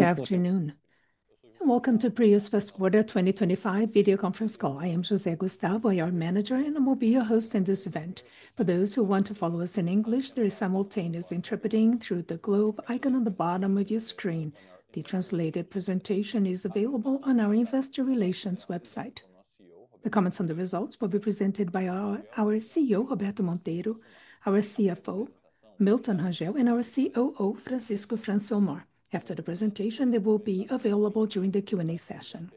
Good afternoon and welcome to Prio's First Quarter 2025 video conference call. I am José Gustavo, your manager, and I will be your host in this event. For those who want to follow us in English, there is simultaneous interpreting through the globe icon on the bottom of your screen. The translated presentation is available on our investor relations website. The comments on the results will be presented by our CEO, Roberto Monteiro, our CFO, Milton Rangel, and our COO, Francisco Francilmar. After the presentation, they will be available during the Q&A session.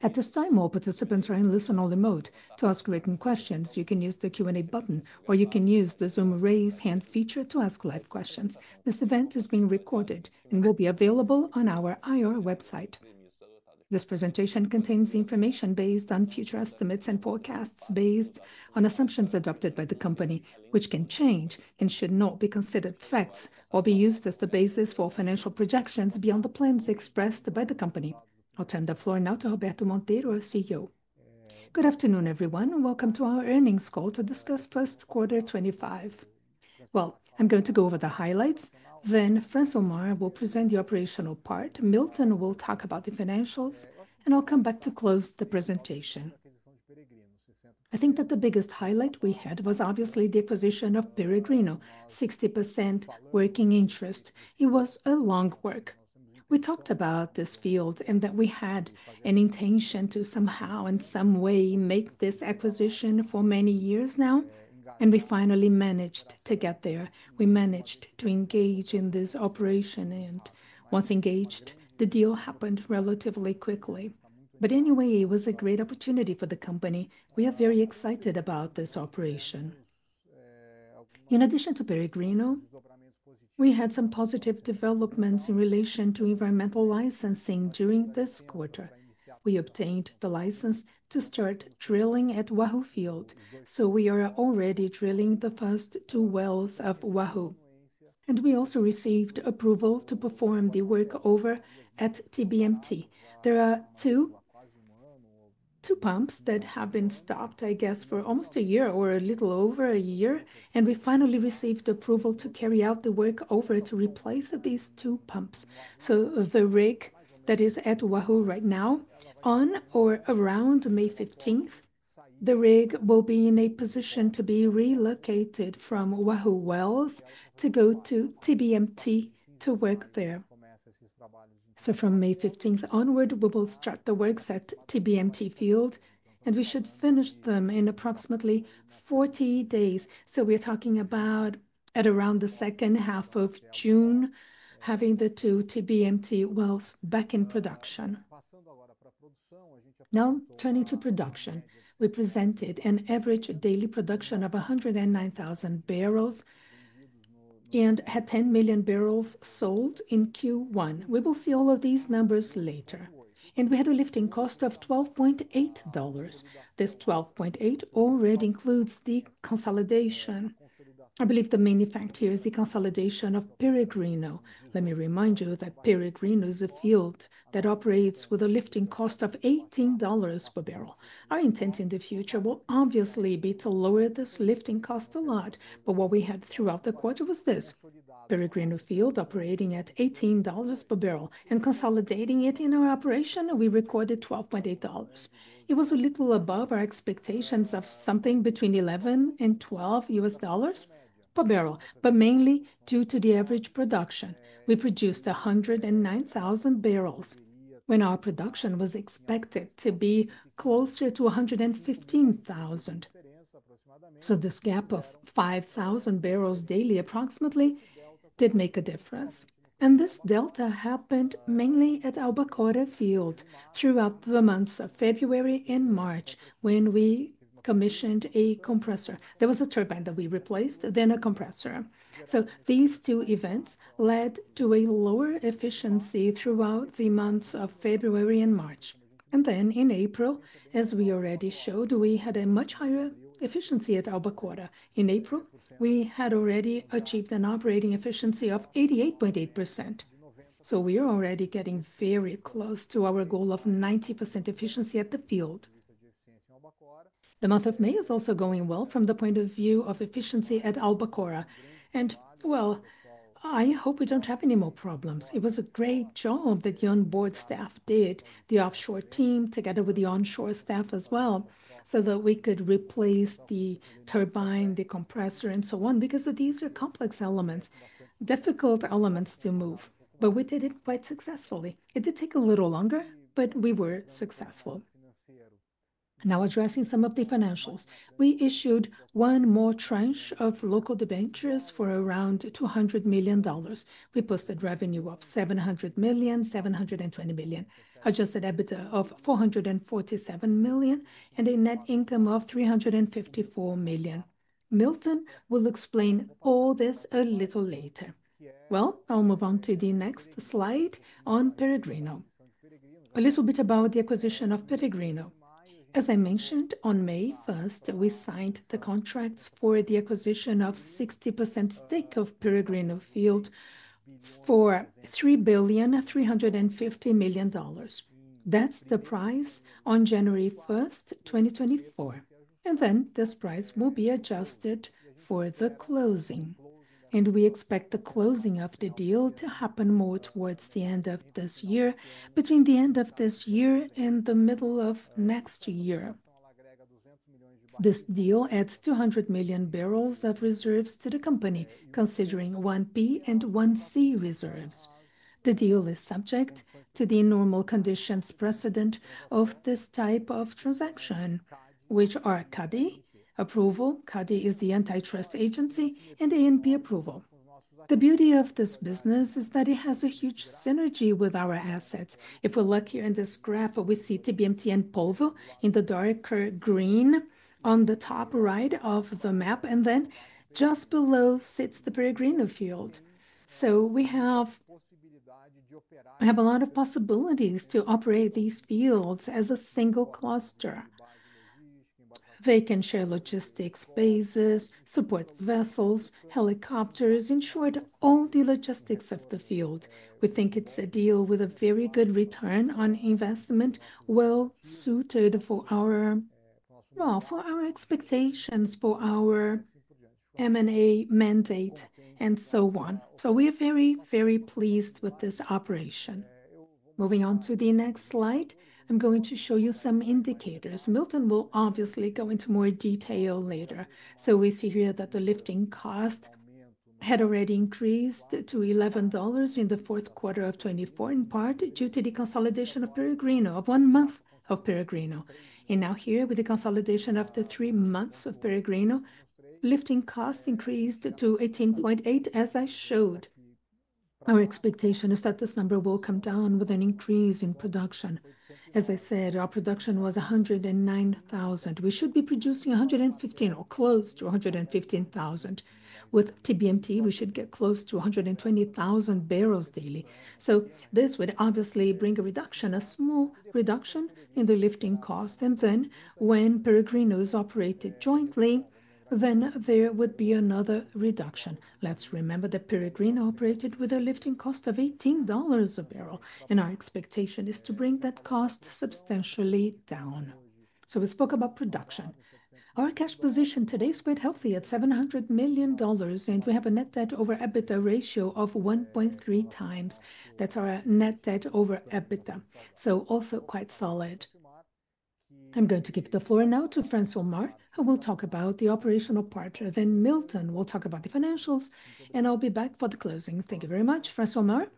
At this time, all participants are in listen-only mode. To ask written questions, you can use the Q&A button, or you can use the Zoom Raise Hand feature to ask live questions. This event is being recorded and will be available on our IR website. This presentation contains information based on future estimates and forecasts based on assumptions adopted by the company, which can change and should not be considered facts or be used as the basis for financial projections beyond the plans expressed by the company. I'll turn the floor now to Roberto Monteiro, our CEO. Good afternoon, everyone, and welcome to our earnings call to discuss First Quarter 2025. I am going to go over the highlights. Francilmar will present the operational part, Milton will talk about the financials, and I will come back to close the presentation. I think that the biggest highlight we had was obviously the acquisition of Peregrino, 60% working interest. It was a long work. We talked about this field and that we had an intention to somehow, in some way, make this acquisition for many years now, and we finally managed to get there. We managed to engage in this operation, and once engaged, the deal happened relatively quickly. Anyway, it was a great opportunity for the company. We are very excited about this operation. In addition to Peregrino, we had some positive developments in relation to environmental licensing during this quarter. We obtained the license to start drilling at Wahoo Field, so we are already drilling the first two wells of Wahoo. We also received approval to perform the workover at TBMT. There are two pumps that have been stopped, I guess, for almost a year or a little over a year, and we finally received approval to carry out the workover to replace these two pumps. The rig that is at Wahoo right now, on or around May 15th, will be in a position to be relocated from Wahoo Wells to go to TBMT to work there. From May 15th onward, we will start the works at Tubarão Martelo Field, and we should finish them in approximately 40 days. We are talking about at around the second half of June, having the two Tubarão Martelo wells back in production. Now, turning to production, we presented an average daily production of 109,000 barrels and had 10 million barrels sold in Q1. We will see all of these numbers later. We had a lifting cost of $12.8. This $12.8 already includes the consolidation, I believe the main effect here is the consolidation of Peregrino. Let me remind you that Peregrino is a field that operates with a lifting cost of $18 per barrel. Our intent in the future will obviously be to lower this lifting cost a lot, but what we had throughout the quarter was this: Peregrino Field operating at $18 per barrel and consolidating it in our operation, we recorded $12.8. It was a little above our expectations of something between $11 and $12 per barrel, but mainly due to the average production. We produced 109,000 barrels when our production was expected to be closer to 115,000. This gap of 5,000 barrels daily approximately did make a difference. This delta happened mainly at Albacora Leste Field throughout the months of February and March when we commissioned a compressor. There was a turbine that we replaced, then a compressor. These two events led to a lower efficiency throughout the months of February and March. In April, as we already showed, we had a much higher efficiency at Albacora Leste. In April, we had already achieved an operating efficiency of 88.8%. We are already getting very close to our goal of 90% efficiency at the field. The month of May is also going well from the point of view of efficiency at Albacora. I hope we do not have any more problems. It was a great job that the onboard staff did, the offshore team together with the onshore staff as well, so that we could replace the turbine, the compressor, and so on, because these are complex elements, difficult elements to move. We did it quite successfully. It did take a little longer, but we were successful. Now addressing some of the financials, we issued one more tranche of local debentures for around $200 million. We posted revenue of $700 million, $720 million, adjusted EBITDA of $447 million, and a net income of $354 million. Milton will explain all this a little later. I'll move on to the next slide on Peregrino. A little bit about the acquisition of Peregrino. As I mentioned, on May 1st, we signed the contracts for the acquisition of a 60% stake of Peregrino Field for $3,350 million. That's the price on January 1st, 2024. This price will be adjusted for the closing. We expect the closing of the deal to happen more towards the end of this year, between the end of this year and the middle of next year. This deal adds 200 million barrels of reserves to the company, considering 1P and 1C reserves. The deal is subject to the normal conditions precedent of this type of transaction, which are CADE approval—CADE is the antitrust agency—and ANP approval. The beauty of this business is that it has a huge synergy with our assets. If we look here in this graph, we see TBMT and Polvo in the darker green on the top right of the map, and then just below sits the Peregrino Field. We have a lot of possibilities to operate these fields as a single cluster. They can share logistics bases, support vessels, helicopters, in short, all the logistics of the field. We think it is a deal with a very good return on investment, well suited for our expectations, for our M&A mandate, and so on. We are very, very pleased with this operation. Moving on to the next slide, I am going to show you some indicators. Milton will obviously go into more detail later. We see here that the lifting cost had already increased to $11 in the fourth quarter of 2024, in part due to the consolidation of Peregrino, of one month of Peregrino. Now here, with the consolidation of the three months of Peregrino, lifting cost increased to $18.8, as I showed. Our expectation is that this number will come down with an increase in production. As I said, our production was 109,000. We should be producing 115,000 or close to 115,000. With TBMT, we should get close to 120,000 barrels daily. This would obviously bring a reduction, a small reduction in the lifting cost. When Peregrino is operated jointly, then there would be another reduction. Let's remember that Peregrino operated with a lifting cost of $18 a barrel, and our expectation is to bring that cost substantially down. We spoke about production. Our cash position today is quite healthy at $700 million, and we have a net debt over EBITDA ratio of 1.3 times. That's our net debt over EBITDA, so also quite solid. I'm going to give the floor now to Francilmar, who will talk about the operational part. Then Milton will talk about the financials, and I'll be back for the closing. Thank you very much, Francilmar.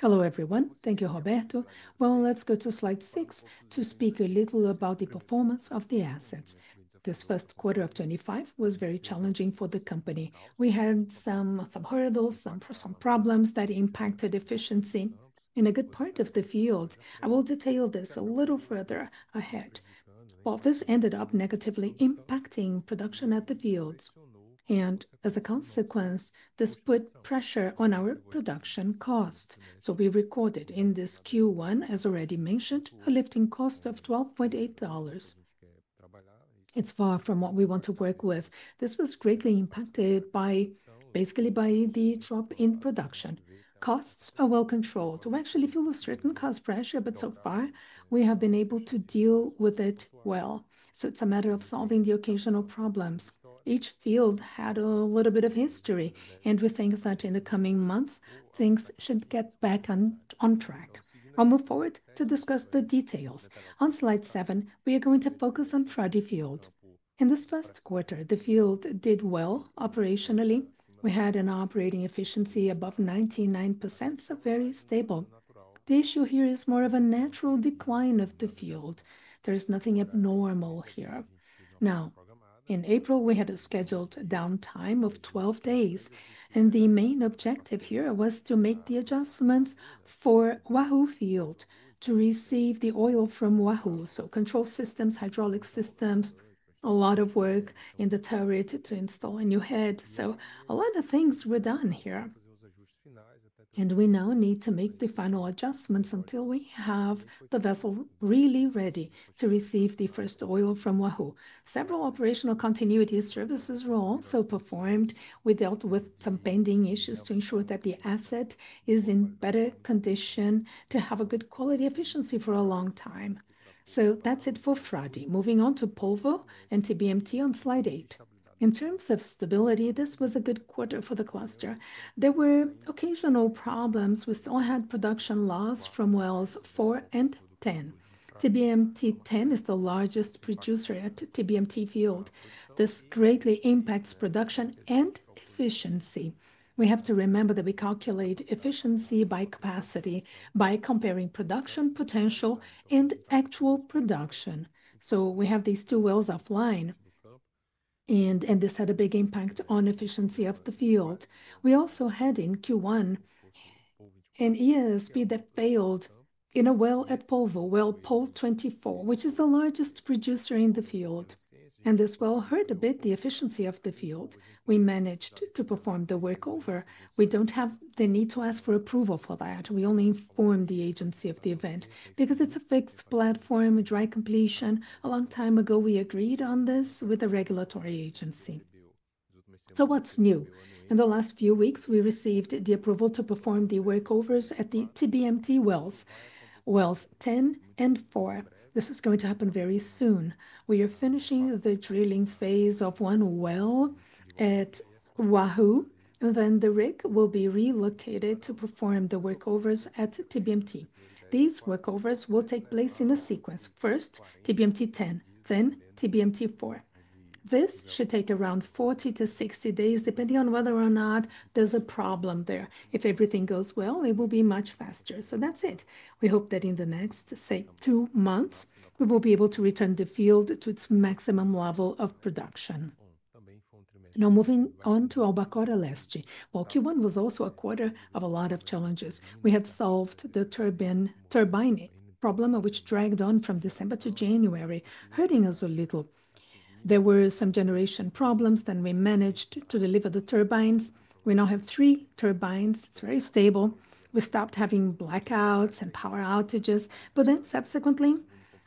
Hello, everyone. Thank you, Roberto. Let's go to slide six to speak a little about the performance of the assets. This first quarter of 2025 was very challenging for the company. We had some hurdles, some problems that impacted efficiency. In a good part of the field, I will detail this a little further ahead. This ended up negatively impacting production at the fields, and as a consequence, this put pressure on our production cost. We recorded in this Q1, as already mentioned, a lifting cost of $12.8. It's far from what we want to work with. This was greatly impacted by basically the drop in production. Costs are well controlled. We actually feel a certain cost pressure, but so far we have been able to deal with it well. It's a matter of solving the occasional problems. Each field had a little bit of history, and we think that in the coming months, things should get back on track. I'll move forward to discuss the details. On slide seven, we are going to focus on Frade Field. In this first quarter, the field did well operationally. We had an operating efficiency above 99%, so very stable. The issue here is more of a natural decline of the field. There's nothing abnormal here. Now, in April, we had a scheduled downtime of 12 days, and the main objective here was to make the adjustments for Wahoo Field to receive the oil from Wahoo. Control systems, hydraulic systems, a lot of work in the turret to install a new head. A lot of things were done here. We now need to make the final adjustments until we have the vessel really ready to receive the first oil from Wahoo. Several operational continuity services were also performed. We dealt with some pending issues to ensure that the asset is in better condition to have a good quality efficiency for a long time. That is it for Friday. Moving on to Polvo and TBMT on slide eight. In terms of stability, this was a good quarter for the cluster. There were occasional problems. We still had production loss from wells four and ten. TBMT 10 is the largest producer at TBMT Field. This greatly impacts production and efficiency. We have to remember that we calculate efficiency by capacity, by comparing production potential and actual production. We have these two wells offline, and this had a big impact on efficiency of the field. We also had in Q1 an ESP that failed in a well at Polvo, well Pol 24, which is the largest producer in the field. This well hurt a bit the efficiency of the field. We managed to perform the workover. We do not have the need to ask for approval for that. We only inform the agency of the event because it is a fixed platform, dry completion. A long time ago, we agreed on this with the regulatory agency. What is new? In the last few weeks, we received the approval to perform the workovers at the TBMT wells, wells 10 and 4. This is going to happen very soon. We are finishing the drilling phase of one well at Wahoo, and then the rig will be relocated to perform the workovers at TBMT. These workovers will take place in a sequence. First, TBMT 10, then TBMT 4. This should take around 40-60 days, depending on whether or not there's a problem there. If everything goes well, it will be much faster. That's it. We hope that in the next, say, two months, we will be able to return the field to its maximum level of production. Now moving on to Albacora Leste. Last year, Q1 was also a quarter of a lot of challenges. We had solved the turbine problem which dragged on from December to January, hurting us a little. There were some generation problems, then we managed to deliver the turbines. We now have three turbines. It's very stable. We stopped having blackouts and power outages, but subsequently,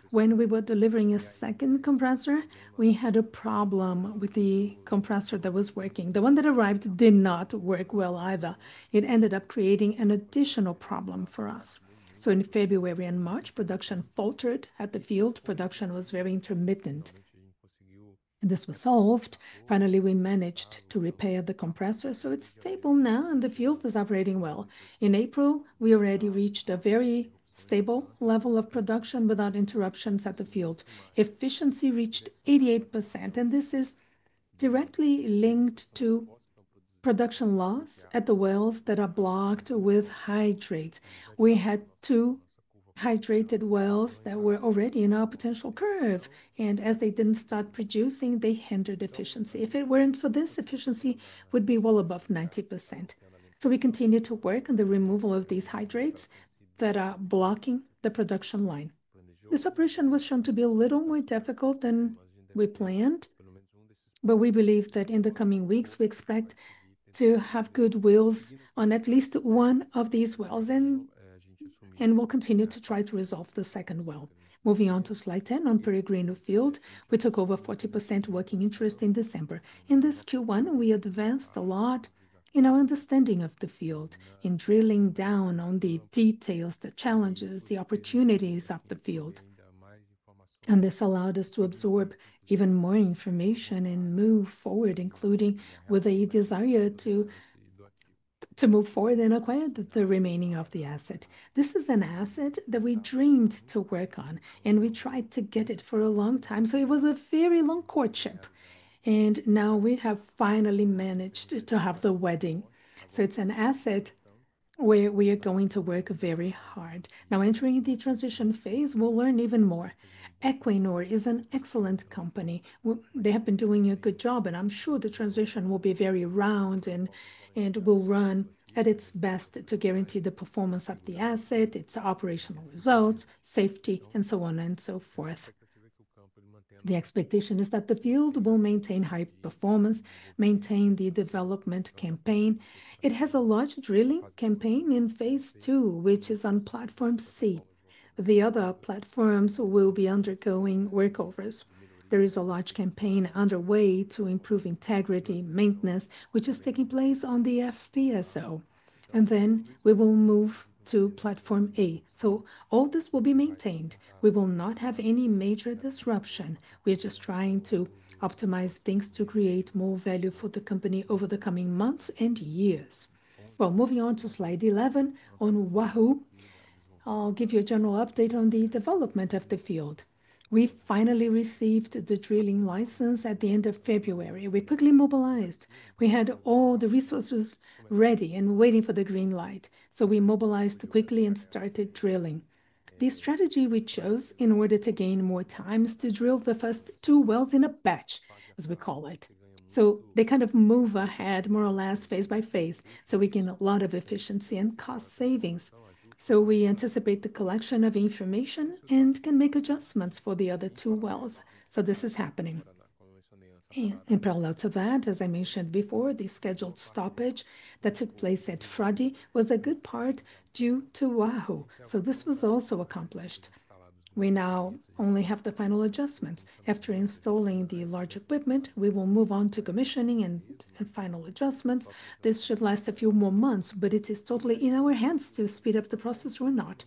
when we were delivering a second compressor, we had a problem with the compressor that was working. The one that arrived did not work well either. It ended up creating an additional problem for us. In February and March, production faltered at the field. Production was very intermittent. This was solved. Finally, we managed to repair the compressor, so it's stable now, and the field is operating well. In April, we already reached a very stable level of production without interruptions at the field. Efficiency reached 88%, and this is directly linked to production loss at the wells that are blocked with hydrates. We had two hydrate wells that were already in our potential curve, and as they did not start producing, they hindered efficiency. If it were not for this, efficiency would be well above 90%. We continue to work on the removal of these hydrates that are blocking the production line. This operation was shown to be a little more difficult than we planned, but we believe that in the coming weeks, we expect to have good results on at least one of these wells, and we will continue to try to resolve the second well. Moving on to slide 10 on Peregrino Field, we took over 40% working interest in December. In this Q1, we advanced a lot in our understanding of the field, in drilling down on the details, the challenges, the opportunities of the field. This allowed us to absorb even more information and move forward, including with a desire to move forward and acquire the remaining of the asset. This is an asset that we dreamed to work on, and we tried to get it for a long time. It was a very long courtship, and now we have finally managed to have the wedding. It is an asset where we are going to work very hard. Now, entering the transition phase, we will learn even more. Equinor is an excellent company. They have been doing a good job, and I'm sure the transition will be very round and will run at its best to guarantee the performance of the asset, its operational results, safety, and so on and so forth. The expectation is that the field will maintain high performance, maintain the development campaign. It has a large drilling campaign in phase two, which is on platform C. The other platforms will be undergoing workovers. There is a large campaign underway to improve integrity maintenance, which is taking place on the FPSO. We will move to platform A. All this will be maintained. We will not have any major disruption. We are just trying to optimize things to create more value for the company over the coming months and years. Moving on to slide 11 on Wahoo, I'll give you a general update on the development of the field. We finally received the drilling license at the end of February. We quickly mobilized. We had all the resources ready and waiting for the green light. We mobilized quickly and started drilling. The strategy we chose in order to gain more time is to drill the first two wells in a batch, as we call it. They kind of move ahead more or less phase by phase. We gain a lot of efficiency and cost savings. We anticipate the collection of information and can make adjustments for the other two wells. This is happening. In parallel to that, as I mentioned before, the scheduled stoppage that took place at Friday was a good part due to Wahoo. This was also accomplished. We now only have the final adjustments. After installing the large equipment, we will move on to commissioning and final adjustments. This should last a few more months, but it is totally in our hands to speed up the process or not.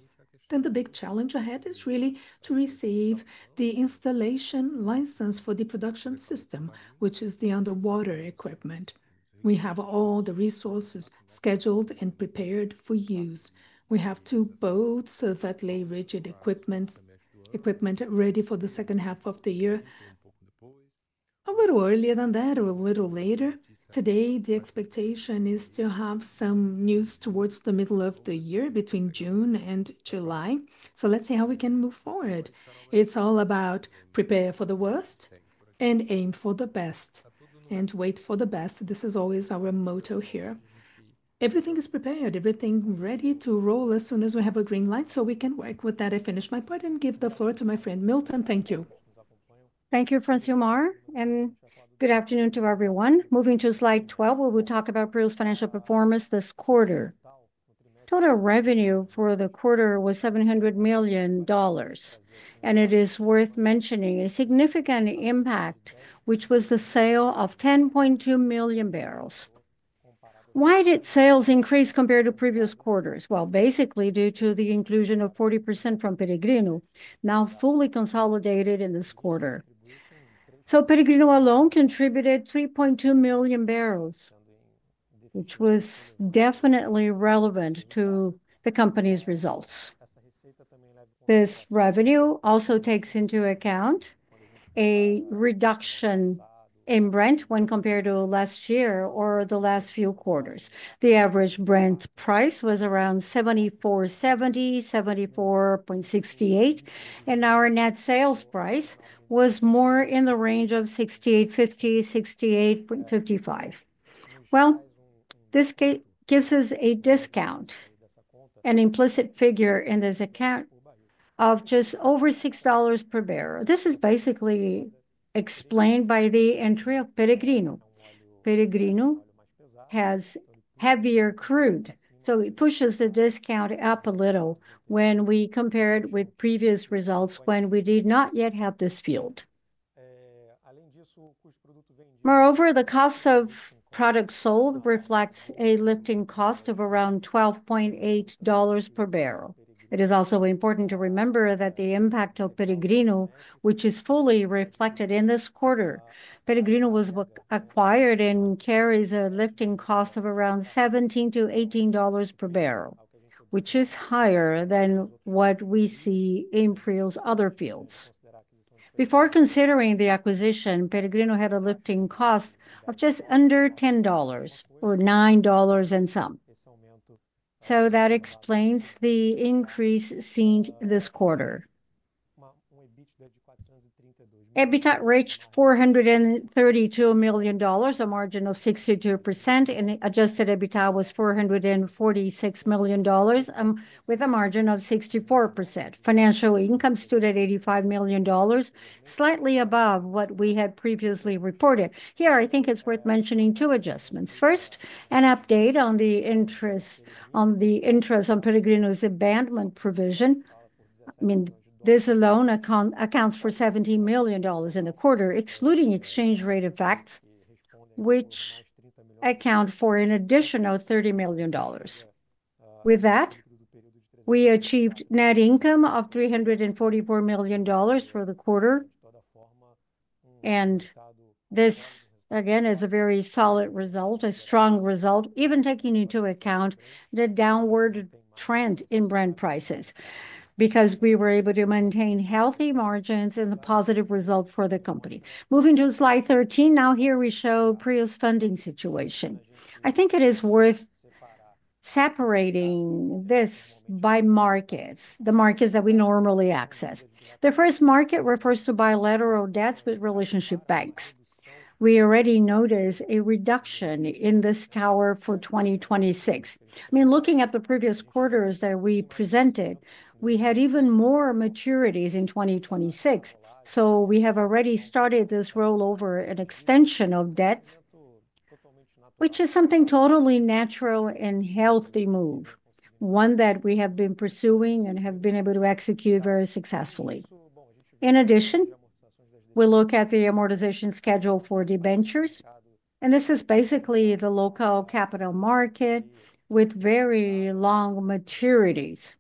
The big challenge ahead is really to receive the installation license for the production system, which is the underwater equipment. We have all the resources scheduled and prepared for use. We have two boats that lay rigid equipment ready for the second half of the year, a little earlier than that or a little later. Today, the expectation is to have some news towards the middle of the year between June and July. Let's see how we can move forward. It is all about prepare for the worst and aim for the best and wait for the best. This is always our motto here. Everything is prepared, everything ready to roll as soon as we have a green light, so we can work with that. I finished my part and give the floor to my friend Milton. Thank you. Thank you, Francilmar, and good afternoon to everyone. Moving to slide 12, where we talk about Prio's financial performance this quarter. Total revenue for the quarter was $700 million, and it is worth mentioning a significant impact, which was the sale of 10.2 million barrels. Why did sales increase compared to previous quarters? Basically due to the inclusion of 40% from Peregrino, now fully consolidated in this quarter. Peregrino alone contributed 3.2 million barrels, which was definitely relevant to the company's results. This revenue also takes into account a reduction in rent when compared to last year or the last few quarters. The average rent price was around $74.70, $74.68, and our net sales price was more in the range of $68.50, $68.55. This gives us a discount, an implicit figure in this account of just over $6 per barrel. This is basically explained by the entry of Peregrino. Peregrino has heavier crude, so it pushes the discount up a little when we compare it with previous results when we did not yet have this field. Moreover, the cost of product sold reflects a lifting cost of around $12.8 per barrel. It is also important to remember that the impact of Peregrino, which is fully reflected in this quarter, Peregrino was acquired and carries a lifting cost of around $17-$18 per barrel, which is higher than what we see in Prio's other fields. Before considering the acquisition, Peregrino had a lifting cost of just under $10 or $9 and some. That explains the increase seen this quarter. EBITDA reached $432 million, a margin of 62%, and adjusted EBITDA was $446 million with a margin of 64%. Financial income stood at $85 million, slightly above what we had previously reported. Here, I think it's worth mentioning two adjustments. First, an update on the interest on Peregrino's abandonment provision. I mean, this alone accounts for $17 million in the quarter, excluding exchange rate effects, which account for an additional $30 million. With that, we achieved net income of $344 million for the quarter. This, again, is a very solid result, a strong result, even taking into account the downward trend in brand prices, because we were able to maintain healthy margins and a positive result for the company. Moving to slide 13, now here we show Prio's funding situation. I think it is worth separating this by markets, the markets that we normally access. The first market refers to bilateral debts with relationship banks. We already noticed a reduction in this tower for 2026. I mean, looking at the previous quarters that we presented, we had even more maturities in 2026. We have already started this rollover, an extension of debts, which is something totally natural and healthy move, one that we have been pursuing and have been able to execute very successfully. In addition, we look at the amortization schedule for the debentures, and this is basically the local capital market with very long maturities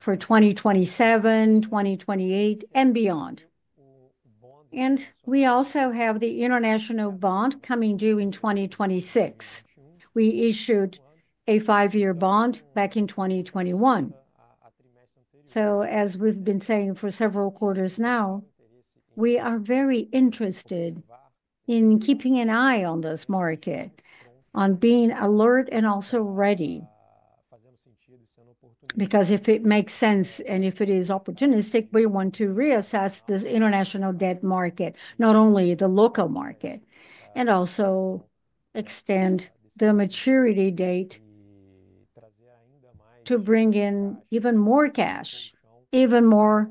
for 2027, 2028, and beyond. We also have the international bond coming due in 2026. We issued a five-year bond back in 2021. As we have been saying for several quarters now, we are very interested in keeping an eye on this market, on being alert and also ready, because if it makes sense and if it is opportunistic, we want to reassess this international debt market, not only the local market, and also extend the maturity date to bring in even more cash, even more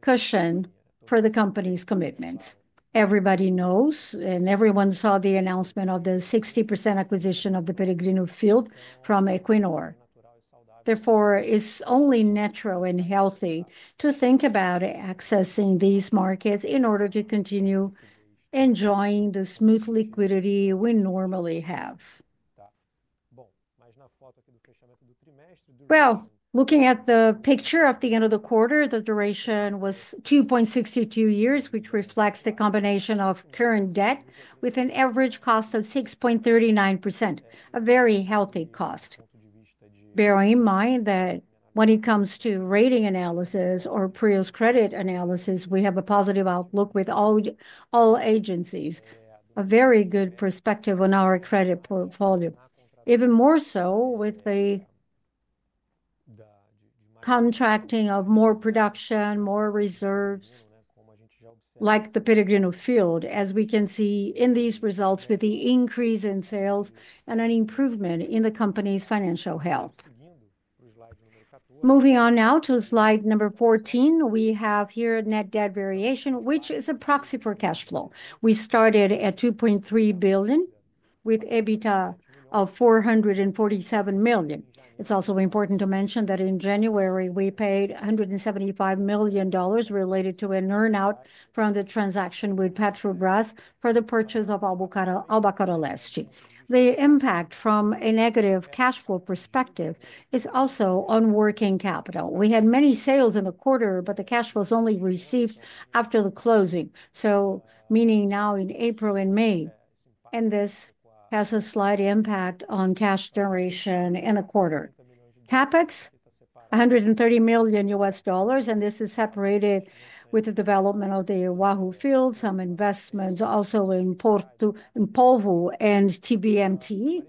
cushion for the company's commitments. Everybody knows and everyone saw the announcement of the 60% acquisition of the Peregrino Field from Equinor. Therefore, it is only natural and healthy to think about accessing these markets in order to continue enjoying the smooth liquidity we normally have. Looking at the picture of the end of the quarter, the duration was 2.62 years, which reflects the combination of current debt with an average cost of 6.39%, a very healthy cost. Bearing in mind that when it comes to rating analysis or Prio's credit analysis, we have a positive outlook with all agencies, a very good perspective on our credit portfolio, even more so with the contracting of more production, more reserves like the Peregrino Field, as we can see in these results with the increase in sales and an improvement in the company's financial health. Moving on now to slide number 14, we have here net debt variation, which is a proxy for cash flow. We started at $2.3 billion with EBITDA of $447 million. It's also important to mention that in January, we paid $175 million related to an earnout from the transaction with Petrobras for the purchase of Albacora Leste. The impact from a negative cash flow perspective is also on working capital. We had many sales in the quarter, but the cash was only received after the closing, so meaning now in April and May, and this has a slight impact on cash generation in the quarter. CapEx, $130 million, and this is separated with the development of the Wahoo Field, some investments also in Polvo and TBMT,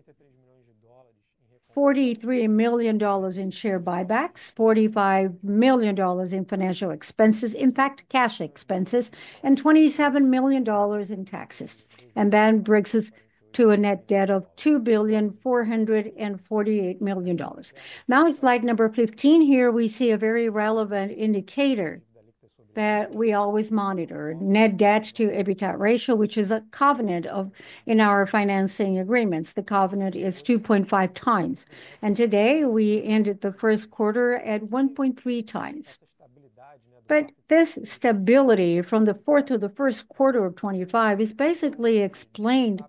$43 million in share buybacks, $45 million in financial expenses, in fact, cash expenses, and $27 million in taxes, and that brings us to a net debt of $2,448 million. Now, in slide number 15, here we see a very relevant indicator that we always monitor, net debt to EBITDA ratio, which is a covenant in our financing agreements. The covenant is 2.5 times, and today we ended the first quarter at 1.3 times. This stability from the fourth to the first quarter of 2025 is basically explained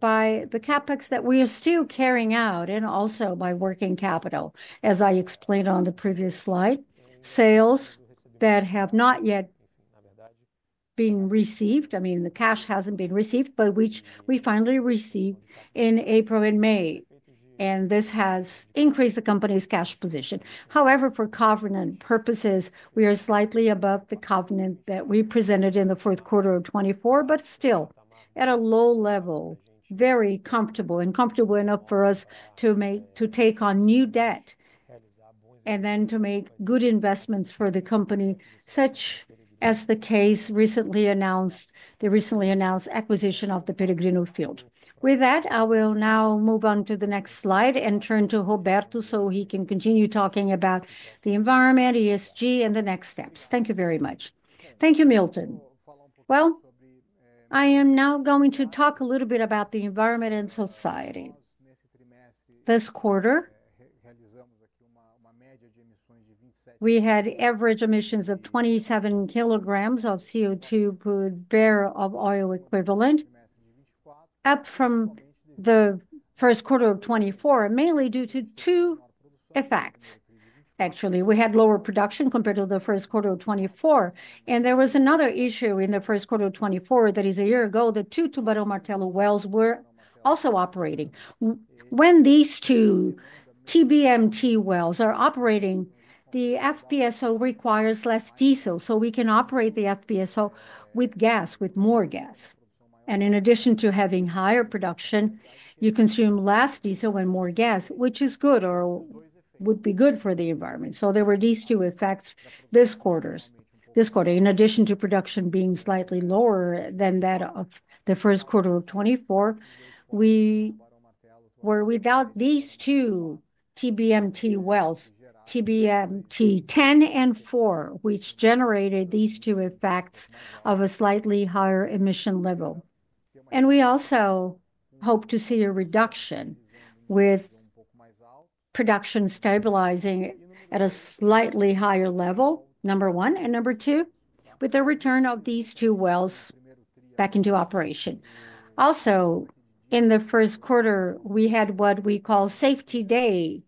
by the CapEx that we are still carrying out and also by working capital, as I explained on the previous slide, sales that have not yet been received. I mean, the cash has not been received, but which we finally received in April and May, and this has increased the company's cash position. However, for covenant purposes, we are slightly above the covenant that we presented in the fourth quarter of 2024, but still at a low level, very comfortable and comfortable enough for us to take on new debt and then to make good investments for the company, such as the case recently announced, the recently announced acquisition of the Peregrino Field. With that, I will now move on to the next slide and turn to Roberto so he can continue talking about the environment, ESG, and the next steps. Thank you very much. Thank you, Milton. I am now going to talk a little bit about the environment and society. This quarter, we had average emissions of 27 kilograms of CO2 per barrel of oil equivalent, up from the first quarter of 2024, mainly due to two effects. Actually, we had lower production compared to the first quarter of 2024, and there was another issue in the first quarter of 2024 that is a year ago, that two Tubarão Martelo wells were also operating. When these two TBMT wells are operating, the FPSO requires less diesel, so we can operate the FPSO with gas, with more gas. In addition to having higher production, you consume less diesel and more gas, which is good or would be good for the environment. There were these two effects this quarter. This quarter, in addition to production being slightly lower than that of the first quarter of 2024, we were without these two TBMT wells, TBMT 10 and 4, which generated these two effects of a slightly higher emission level. We also hope to see a reduction with production stabilizing at a slightly higher level, number one, and number two, with the return of these two wells back into operation. Also, in the first quarter, we had what we call Safety Day,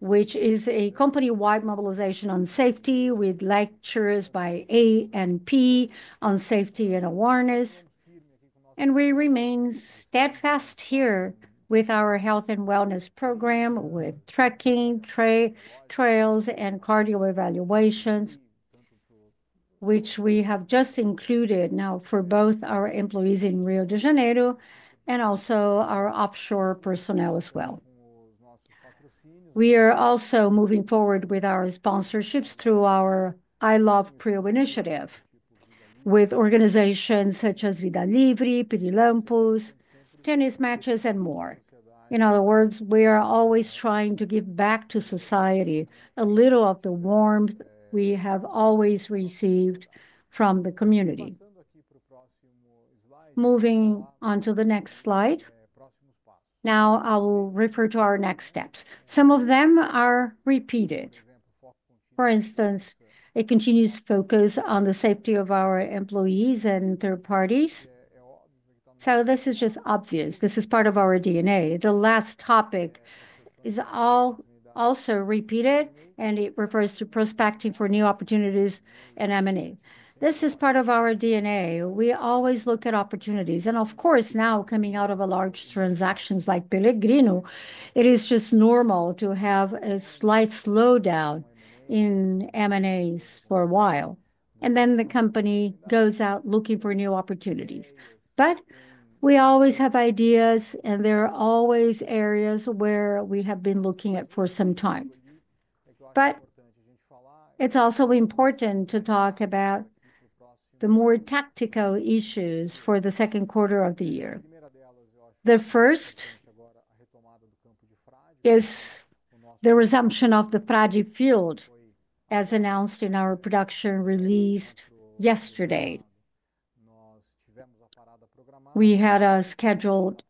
which is a company-wide mobilization on safety with lectures by ANP on safety and awareness. We remain steadfast here with our health and wellness program, with trekking, trails, and cardio evaluations, which we have just included now for both our employees in Rio de Janeiro and also our offshore personnel as well. We are also moving forward with our sponsorships through our I Love Peru initiative, with organizations such as Vida Livre, Pirilampus, tennis matches, and more. In other words, we are always trying to give back to society a little of the warmth we have always received from the community. Moving on to the next slide, now I will refer to our next steps. Some of them are repeated. For instance, it continues to focus on the safety of our employees and third parties. This is just obvious. This is part of our DNA. The last topic is also repeated, and it refers to prospecting for new opportunities and M&A. This is part of our DNA. We always look at opportunities. Of course, now coming out of large transactions like Peregrino, it is just normal to have a slight slowdown in M&As for a while. The company goes out looking for new opportunities. We always have ideas, and there are always areas where we have been looking at for some time. It is also important to talk about the more tactical issues for the second quarter of the year. The first is the resumption of the Frade Field, as announced in our production release yesterday. We had a scheduled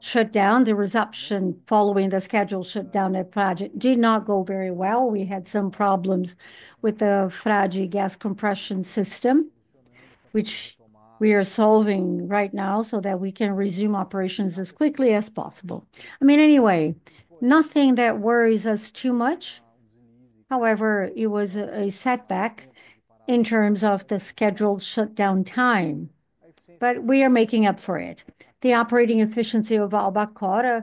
shutdown. The resumption following the scheduled shutdown at Frade did not go very well. We had some problems with the Frade gas compression system, which we are solving right now so that we can resume operations as quickly as possible. I mean, anyway, nothing that worries us too much. However, it was a setback in terms of the scheduled shutdown time, but we are making up for it. The operating efficiency of Albacora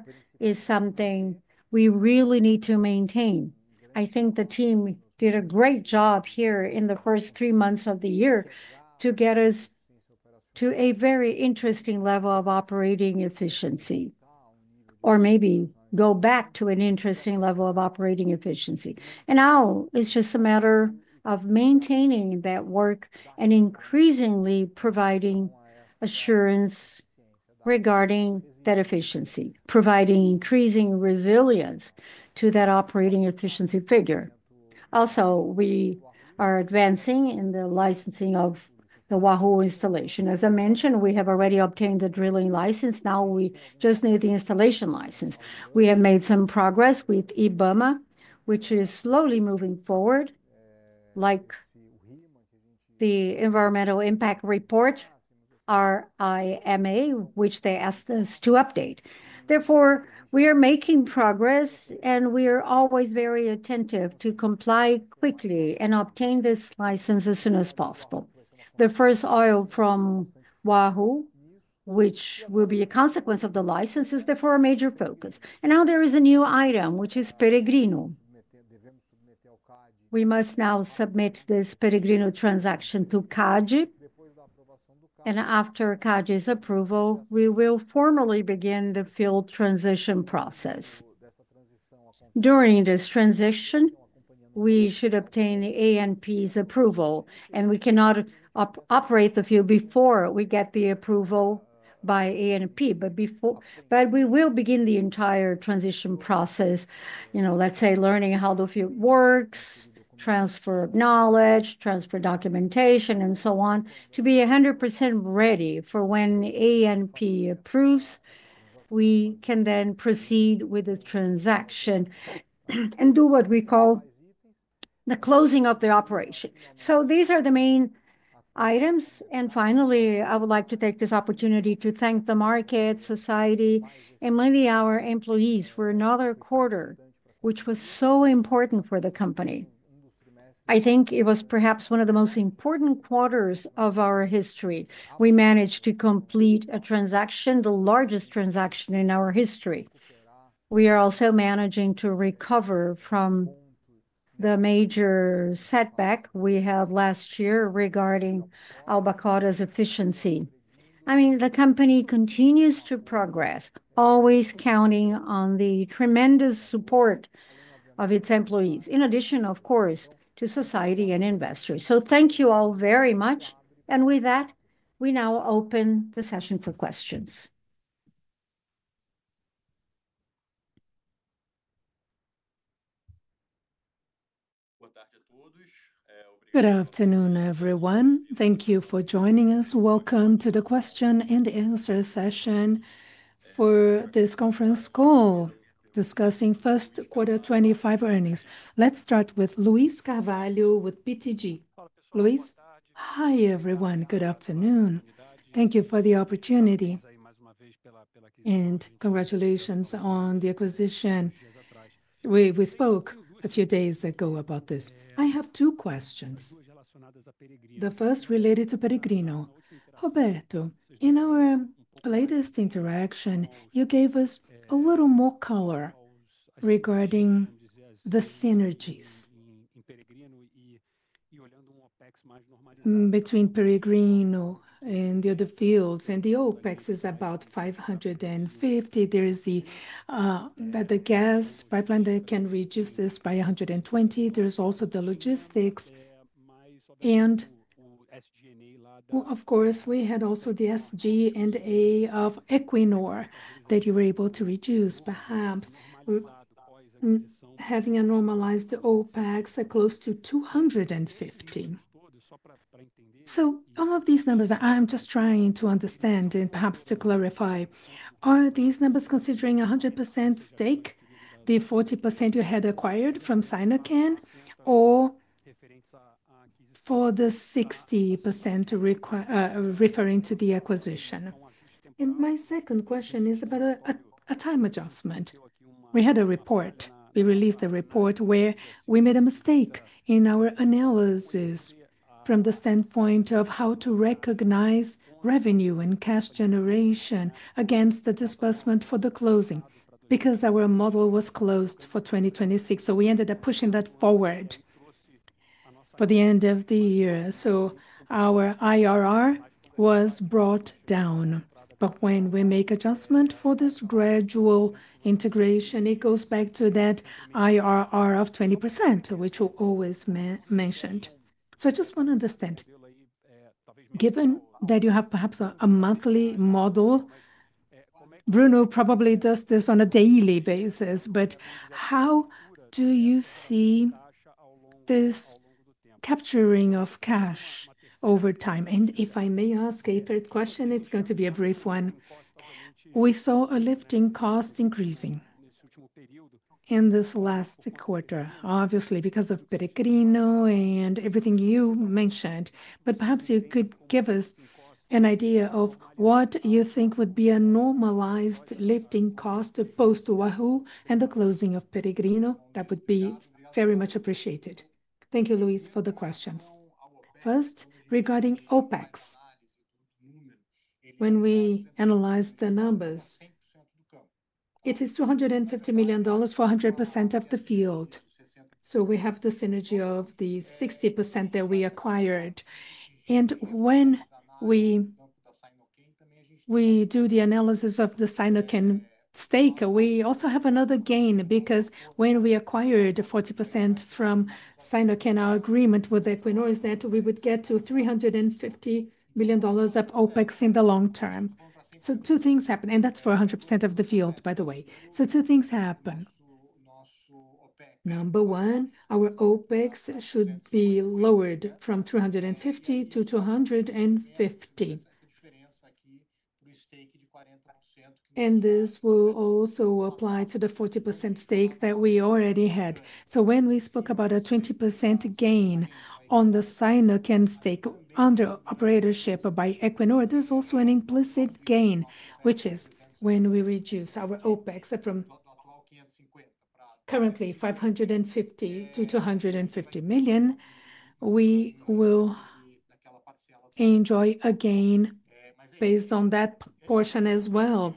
Leste is something we really need to maintain. I think the team did a great job here in the first three months of the year to get us to a very interesting level of operating efficiency, or maybe go back to an interesting level of operating efficiency. Now it's just a matter of maintaining that work and increasingly providing assurance regarding that efficiency, providing increasing resilience to that operating efficiency figure. Also, we are advancing in the licensing of the Wahoo installation. As I mentioned, we have already obtained the drilling license. Now we just need the installation license. We have made some progress with IBAMA, which is slowly moving forward, like the Environmental Impact Report, our IMA, which they asked us to update. Therefore, we are making progress, and we are always very attentive to comply quickly and obtain this license as soon as possible. The first oil from Wahoo, which will be a consequence of the licenses, therefore a major focus. There is now a new item, which is Peregrino. We must now submit this Peregrino transaction to CADE, and after CADE's approval, we will formally begin the field transition process. During this transition, we should obtain ANP's approval, and we cannot operate the field before we get the approval by ANP, but we will begin the entire transition process. You know, let's say learning how the field works, transfer of knowledge, transfer documentation, and so on, to be 100% ready for when ANP approves, we can then proceed with the transaction and do what we call the closing of the operation. These are the main items. Finally, I would like to take this opportunity to thank the market, society, and many of our employees for another quarter, which was so important for the company. I think it was perhaps one of the most important quarters of our history. We managed to complete a transaction, the largest transaction in our history. We are also managing to recover from the major setback we had last year regarding Albacora Leste's efficiency. I mean, the company continues to progress, always counting on the tremendous support of its employees, in addition, of course, to society and investors. Thank you all very much. With that, we now open the session for questions. Good afternoon, everyone. Thank you for joining us. Welcome to the question and answer session for this conference call discussing first quarter 2025 earnings. Let's start with Luiz Carvalho with BTG. Luiz, hi everyone. Good afternoon. Thank you for the opportunity, and congratulations on the acquisition. We spoke a few days ago about this. I have two questions. The first related to Peregrino. Roberto, in our latest interaction, you gave us a little more color regarding the synergies between Peregrino and the other fields, and the OPEX is about $550. There is the gas pipeline that can reduce this by $120. There is also the logistics. Of course, we had also the SG&A of Equinor that you were able to reduce, perhaps having a normalized OPEX close to $250. All of these numbers, I'm just trying to understand and perhaps to clarify, are these numbers considering 100% stake, the 40% you had acquired from Sinopec, or for the 60% referring to the acquisition? My second question is about a time adjustment. We had a report. We released a report where we made a mistake in our analysis from the standpoint of how to recognize revenue and cash generation against the disbursement for the closing, because our model was closed for 2026. We ended up pushing that forward for the end of the year. Our IRR was brought down. When we make adjustment for this gradual integration, it goes back to that IRR of 20%, which we always mentioned. I just want to understand, given that you have perhaps a monthly model, Bruno probably does this on a daily basis, but how do you see this capturing of cash over time? If I may ask a third question, it is going to be a brief one. We saw a lifting cost increasing in this last quarter, obviously because of Peregrino and everything you mentioned. Perhaps you could give us an idea of what you think would be a normalized lifting cost opposed to Wahoo and the closing of Peregrino. That would be very much appreciated. Thank you, Luis, for the questions. First, regarding OPEX, when we analyze the numbers, it is $250 million for 100% of the field. We have the synergy of the 60% that we acquired. When we do the analysis of the Sinocan stake, we also have another gain, because when we acquired 40% from Sinocan, our agreement with Equinor is that we would get to $350 million of OPEX in the long term. Two things happen, and that's for 100% of the field, by the way. Two things happen. Number one, our OPEX should be lowered from $350 million to $250 million. This will also apply to the 40% stake that we already had. When we spoke about a 20% gain on the Sinocan stake under operatorship by Equinor, there's also an implicit gain, which is when we reduce our OPEX from currently $550 million to $250 million, we will enjoy a gain based on that portion as well.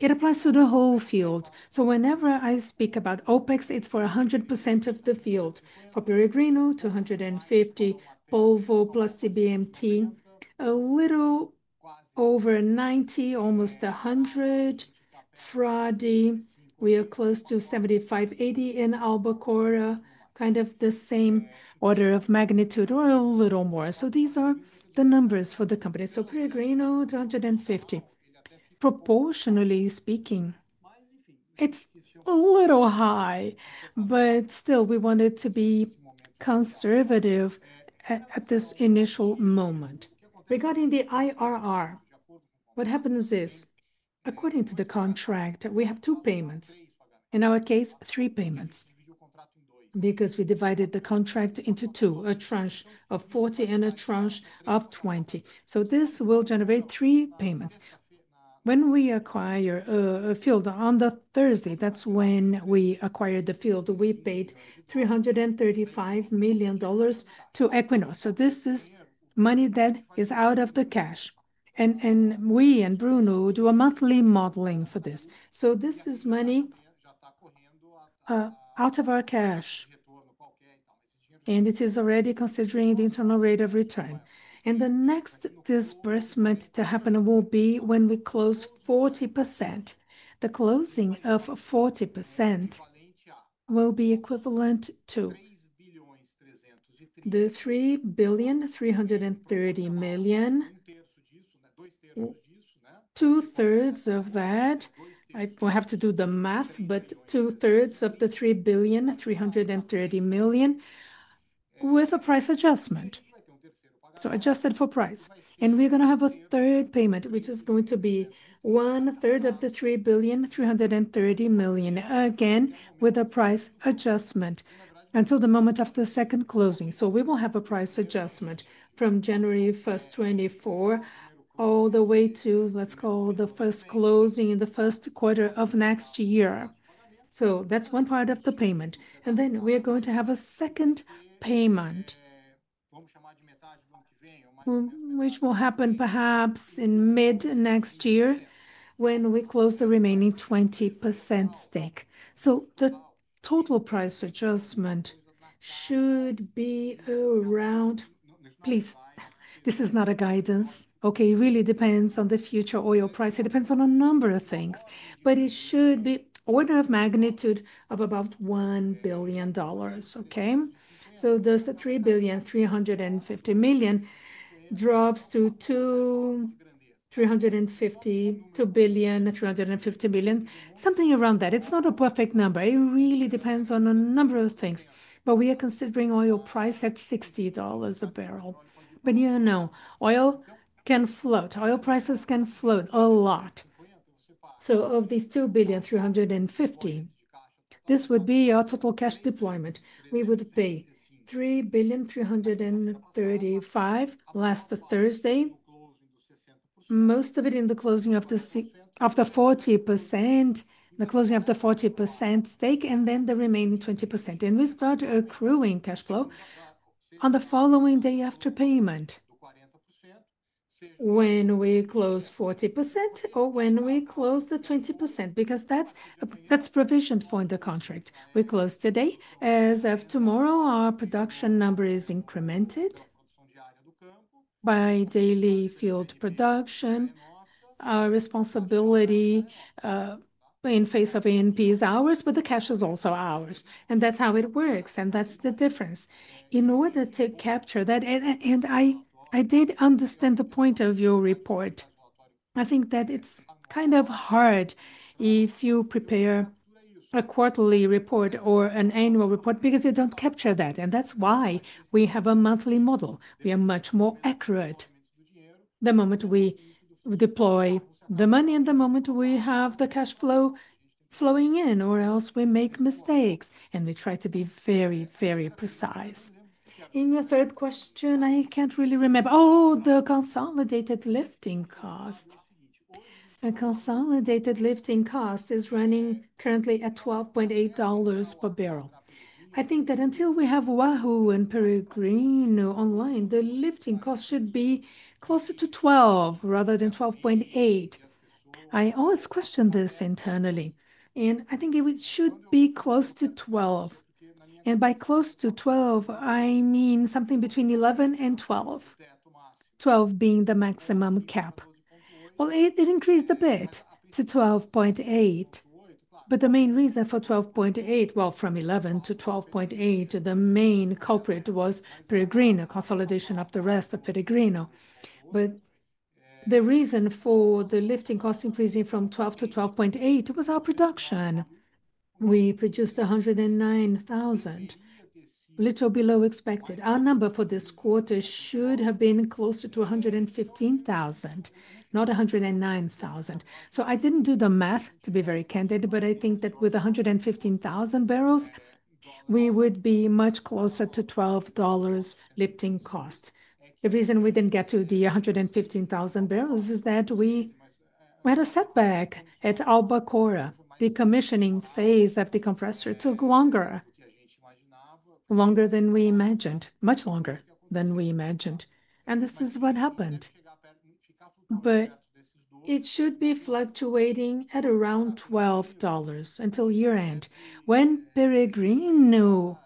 It applies to the whole field. Whenever I speak about OPEX, it's for 100% of the field. For Peregrino, 250, Polvo plus TBMT, a little over 90, almost 100. Frade, we are close to 75-80, and Albacora, kind of the same order of magnitude or a little more. These are the numbers for the company. Peregrino, 250. Proportionally speaking, it is a little high, but still we want it to be conservative at this initial moment. Regarding the IRR, what happens is, according to the contract, we have two payments. In our case, three payments, because we divided the contract into two, a tranche of 40 and a tranche of 20. This will generate three payments. When we acquire a field on Thursday, that is when we acquired the field, we paid $335 million to Equinor. This is money that is out of the cash. And we and Bruno do a monthly modeling for this. This is money out of our cash. It is already considering the internal rate of return. The next disbursement to happen will be when we close 40%. The closing of 40% will be equivalent to the $3,330 million. Two-thirds of that. I have to do the math, but two-thirds of the $3,330 million with a price adjustment. Adjusted for price. We are going to have a third payment, which is going to be one-third of the $3,330 million, again with a price adjustment until the moment of the second closing. We will have a price adjustment from January 1, 2024, all the way to, let's call the first closing in the first quarter of next year. That is one part of the payment. We are going to have a second payment, which will happen perhaps in mid-next year when we close the remaining 20% stake. The total price adjustment should be around, please, this is not a guidance, okay? It really depends on the future oil price. It depends on a number of things, but it should be an order of magnitude of about $1 billion, okay? Those $3,350 million drops to $350, $350 million, something around that. It's not a perfect number. It really depends on a number of things. We are considering oil price at $60 a barrel. You know, oil can float. Oil prices can float a lot. Of these $2,350, this would be our total cash deployment. We would pay $3,335 last Thursday, most of it in the closing of the 40%, the closing of the 40% stake, and then the remaining 20%. We start accruing cash flow on the following day after payment, when we close 40% or when we close the 20%, because that's provisioned for in the contract. We close today. As of tomorrow, our production number is incremented by daily field production. Our responsibility in face of ANP is ours, but the cash is also ours. That's how it works. That's the difference. In order to capture that, and I did understand the point of your report, I think that it's kind of hard if you prepare a quarterly report or an annual report, because you don't capture that. That's why we have a monthly model. We are much more accurate the moment we deploy the money and the moment we have the cash flow flowing in, or else we make mistakes and we try to be very, very precise. In your third question, I can't really remember. Oh, the consolidated lifting cost. The consolidated lifting cost is running currently at $12.8 per barrel. I think that until we have Wahoo and Peregrino online, the lifting cost should be closer to 12 rather than 12.8. I always question this internally. I think it should be close to 12. By close to 12, I mean something between 11 and 12, 12 being the maximum cap. It increased a bit to 12.8, but the main reason for 12.8, from 11 to 12.8, the main culprit was Peregrino, consolidation of the rest of Peregrino. The reason for the lifting cost increasing from 12 to 12.8 was our production. We produced 109,000, little below expected. Our number for this quarter should have been closer to 115,000, not 109,000. I didn't do the math, to be very candid, but I think that with 115,000 barrels, we would be much closer to $12 lifting cost. The reason we didn't get to the 115,000 barrels is that we had a setback at Albacora Leste. The commissioning phase of the compressor took longer, longer than we imagined, much longer than we imagined. This is what happened. It should be fluctuating at around $12 until year-end. When Peregrino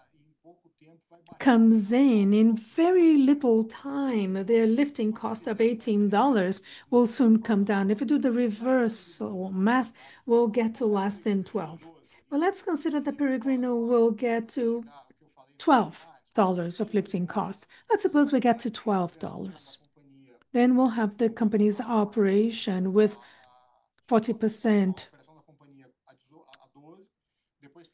comes in, in very little time, their lifting cost of $18 will soon come down. If we do the reverse math, we'll get to less than $12. Let's consider that Peregrino will get to $12 of lifting cost. Let's suppose we get to $12. We will have the company's operation with 40%, the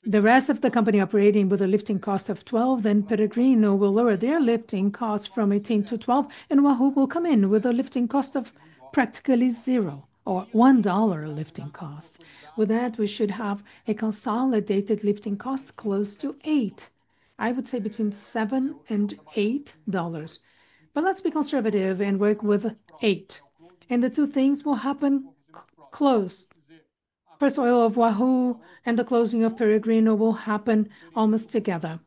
rest of the company operating with a lifting cost of $12. Peregrino will lower their lifting cost from $18 to $12, and Wahoo will come in with a lifting cost of practically zero or $1 lifting cost. With that, we should have a consolidated lifting cost close to $8, I would say between $7 and $8. Let's be conservative and work with $8. The two things will happen close. First, oil of Wahoo and the closing of Peregrino will happen almost together.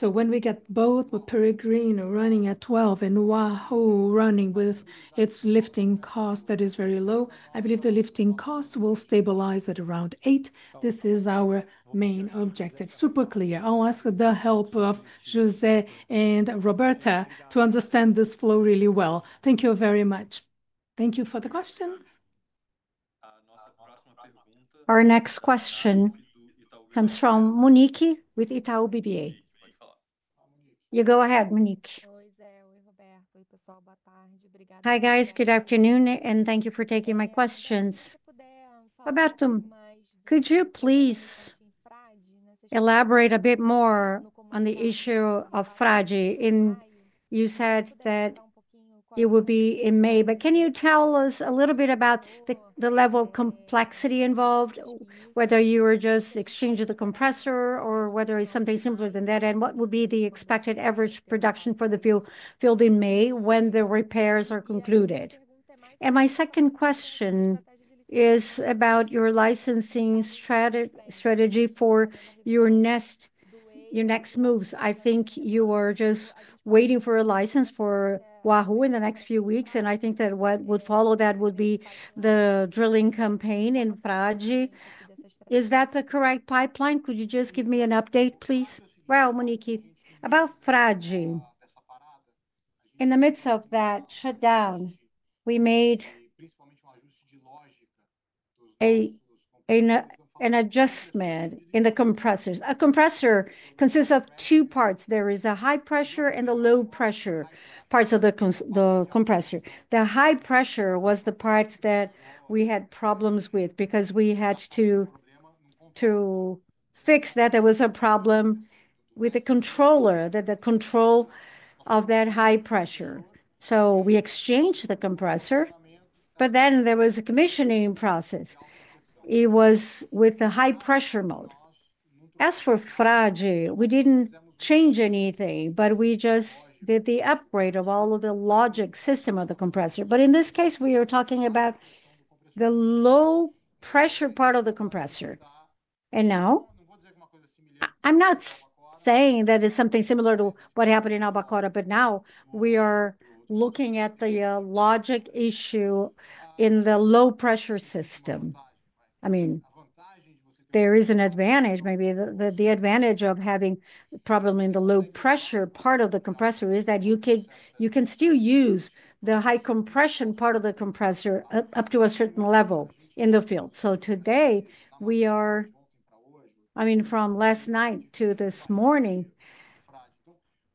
When we get both with Peregrino running at $12 and Wahoo running with its lifting cost that is very low, I believe the lifting cost will stabilize at around $8. This is our main objective. Super clear. I'll ask the help of José and Roberta to understand this flow really well. Thank you very much. Thank you for the question. Our next question comes from Monique with Itaú BBA. You go ahead, Monique. Hi, guys. Good afternoon, and thank you for taking my questions. Roberto, could you please elaborate a bit more on the issue of Frade? You said that it would be in May, but can you tell us a little bit about the level of complexity involved, whether you are just exchanging the compressor or whether it is something simpler than that? What would be the expected average production for the field in May when the repairs are concluded? My second question is about your licensing strategy for your next moves. I think you are just waiting for a license for Wahoo in the next few weeks, and I think that what would follow that would be the drilling campaign in Frade. Is that the correct pipeline? Could you just give me an update, please? Monique, about Frade, in the midst of that shutdown, we made an adjustment in the compressors. A compressor consists of two parts. There is a high pressure and a low pressure part of the compressor. The high pressure was the part that we had problems with because we had to fix that. There was a problem with the controller, the control of that high pressure. We exchanged the compressor, but then there was a commissioning process. It was with the high pressure mode. As for Frade, we did not change anything, but we just did the upgrade of all of the logic system of the compressor. In this case, we are talking about the low pressure part of the compressor. Now, I'm not saying that it's something similar to what happened in Albacora Leste, but now we are looking at the logic issue in the low pressure system. I mean, there is an advantage, maybe the advantage of having problems in the low pressure part of the compressor is that you can still use the high compression part of the compressor up to a certain level in the field. Today, we are, I mean, from last night to this morning,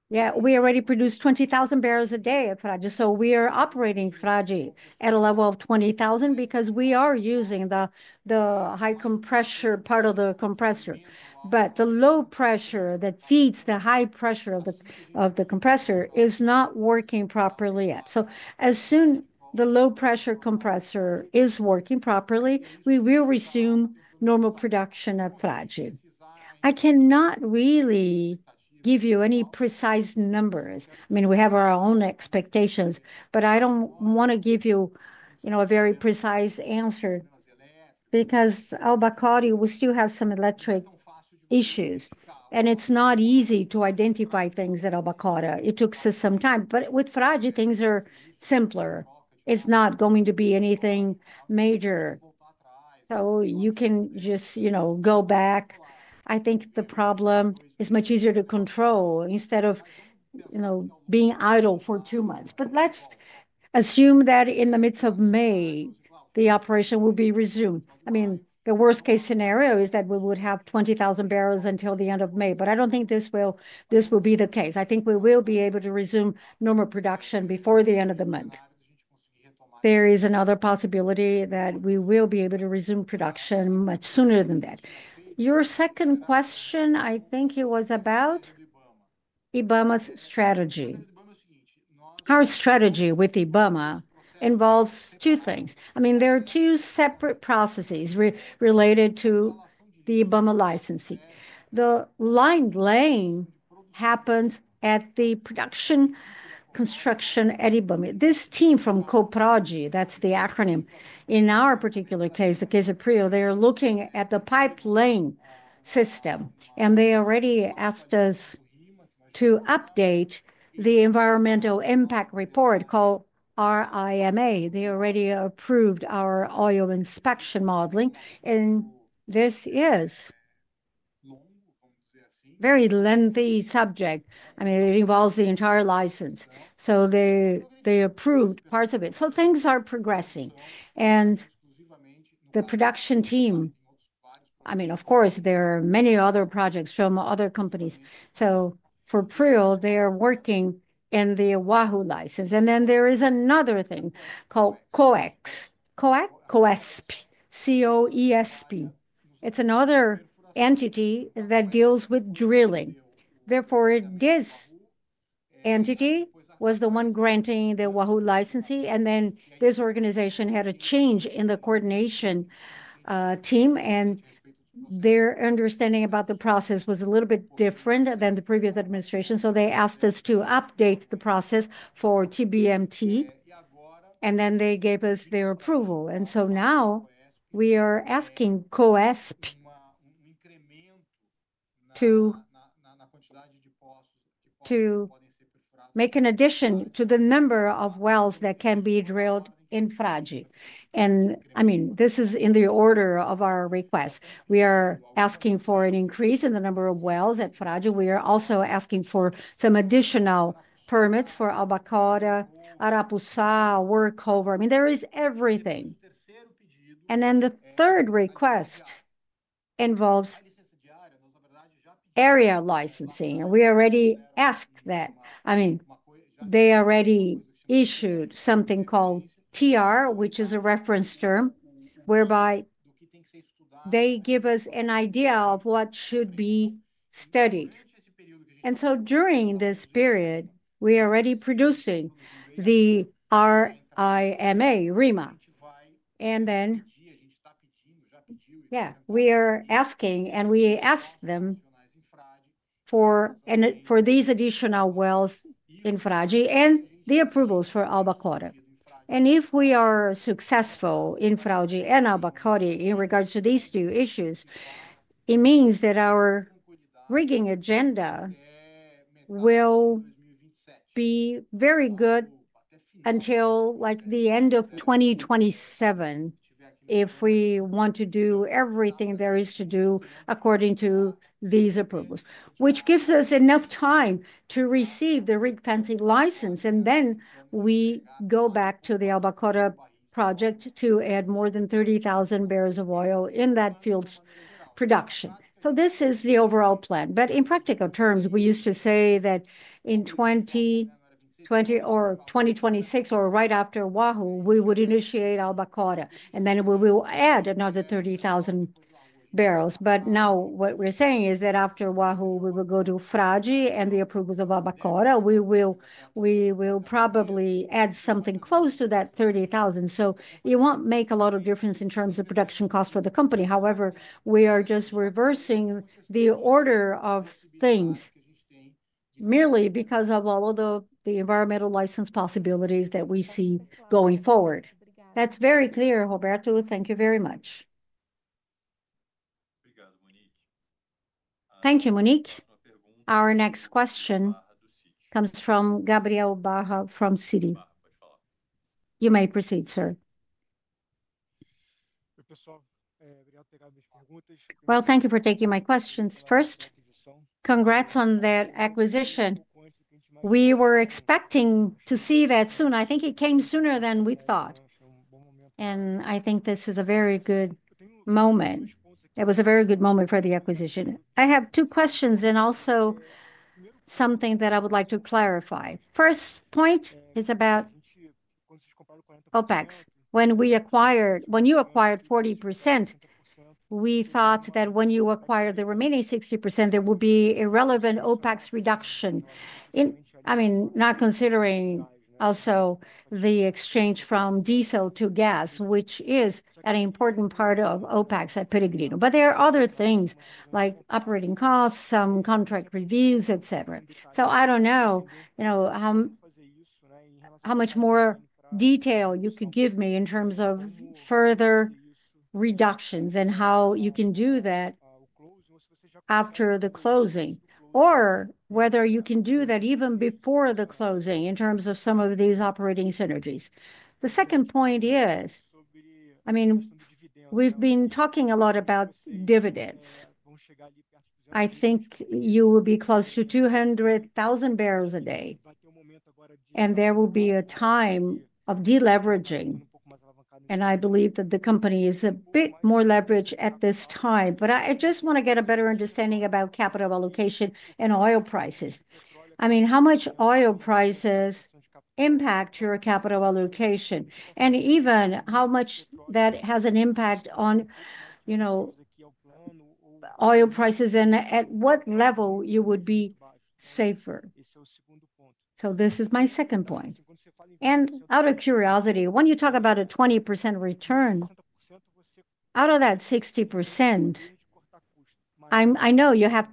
yeah, we already produce 20,000 barrels a day of Frade. We are operating Frade at a level of 20,000 because we are using the high compressor part of the compressor. The low pressure that feeds the high pressure of the compressor is not working properly yet. As soon as the low pressure compressor is working properly, we will resume normal production of Frade. I cannot really give you any precise numbers. I mean, we have our own expectations, but I don't want to give you a very precise answer because Albacora Leste, we still have some electric issues, and it's not easy to identify things at Albacora Leste. It took some time, but with Frade, things are simpler. It's not going to be anything major. You can just go back. I think the problem is much easier to control instead of being idle for two months. Let's assume that in the midst of May, the operation will be resumed. I mean, the worst-case scenario is that we would have 20,000 barrels until the end of May, but I don't think this will be the case. I think we will be able to resume normal production before the end of the month. There is another possibility that we will be able to resume production much sooner than that. Your second question, I think it was about IBAMA's strategy. Our strategy with IBAMA involves two things. I mean, there are two separate processes related to the IBAMA licensing. The line laying happens at the production construction at IBAMA. This team from COPRAGI, that's the acronym, in our particular case, the case of Prio, they are looking at the pipeline system, and they already asked us to update the environmental impact report called RIMA. They already approved our oil inspection modeling, and this is a very lengthy subject. I mean, it involves the entire license. So they approved parts of it. Things are progressing, and the production team, I mean, of course, there are many other projects from other companies. For Prio, they are working in the Wahoo license. There is another thing called COEX, COESP, C-O-E-S-P. It is another entity that deals with drilling. Therefore, this entity was the one granting the Wahoo licensing, and this organization had a change in the coordination team, and their understanding about the process was a little bit different than the previous administration. They asked us to update the process for TBMT, and then they gave us their approval. Now we are asking COESP to make an addition to the number of wells that can be drilled in Frade. I mean, this is in the order of our request. We are asking for an increase in the number of wells at Frade. We are also asking for some additional permits for Albacora Leste, Arapuçá, workover. I mean, there is everything. The third request involves area licensing. We already asked that. I mean, they already issued something called TR, which is a reference term, whereby they give us an idea of what should be studied. During this period, we are already producing the RIMA, RIMA. Yeah, we are asking, and we asked them for these additional wells in Frade and the approvals for Albacora Leste. If we are successful in Frade and Albacora Leste in regards to these two issues, it means that our rigging agenda will be very good until like the end of 2027 if we want to do everything there is to do according to these approvals, which gives us enough time to receive the rig fancy license. We go back to the Albacora Leste project to add more than 30,000 barrels of oil in that field's production. This is the overall plan. In practical terms, we used to say that in 2026 or right after Wahoo, we would initiate Albacora Leste, and then we will add another 30,000 barrels. Now what we are saying is that after Wahoo, we will go to Frade and the approvals of Albacora Leste. We will probably add something close to that 30,000. It will not make a lot of difference in terms of production cost for the company. However, we are just reversing the order of things merely because of all of the environmental license possibilities that we see going forward. That is very clear, Roberto. Thank you very much. Thank you, Monique. Our next question comes from Gabriel Barra from Citi. You may proceed, sir. Thank you for taking my questions. First, congrats on that acquisition. We were expecting to see that soon. I think it came sooner than we thought. I think this is a very good moment. It was a very good moment for the acquisition. I have two questions and also something that I would like to clarify. First point is about OPEX. When you acquired 40%, we thought that when you acquired the remaining 60%, there would be irrelevant OPEX reduction. I mean, not considering also the exchange from diesel to gas, which is an important part of OPEX at Peregrino. There are other things like operating costs, some contract reviews, etc. I do not know how much more detail you could give me in terms of further reductions and how you can do that after the closing or whether you can do that even before the closing in terms of some of these operating synergies. The second point is, I mean, we have been talking a lot about dividends. I think you will be close to 200,000 barrels a day, and there will be a time of deleveraging. I believe that the company is a bit more leveraged at this time. I just want to get a better understanding about capital allocation and oil prices. I mean, how much oil prices impact your capital allocation and even how much that has an impact on oil prices and at what level you would be safer. This is my second point. Out of curiosity, when you talk about a 20% return, out of that 60%, I know you have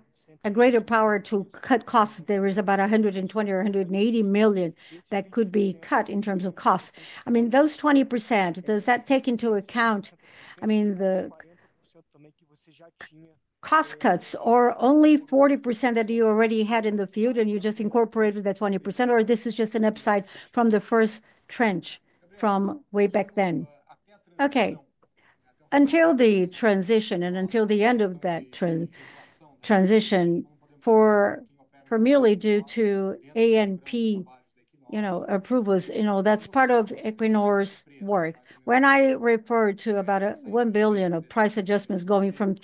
a greater power to cut costs. There is about $120 million or $180 million that could be cut in terms of costs. I mean, those 20%, does that take into account, I mean, the cost cuts or only 40% that you already had in the field and you just incorporated that 20%, or this is just an upside from the first trench from way back then? Okay. Until the transition and until the end of that transition for merely due to ANP approvals, that's part of Equinor's work. When I refer to about $1 billion of price adjustments going from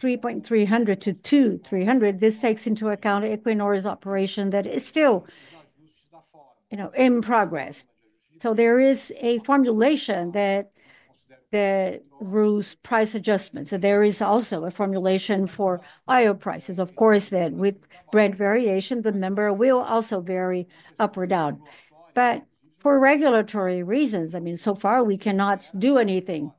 $3,300 to $2,300, this takes into account Equinor's operation that is still in progress. There is a formulation that rules price adjustments. There is also a formulation for oil prices. Of course, then with Brent variation, the number will also vary up or down. For regulatory reasons, I mean, so far, we cannot do anything.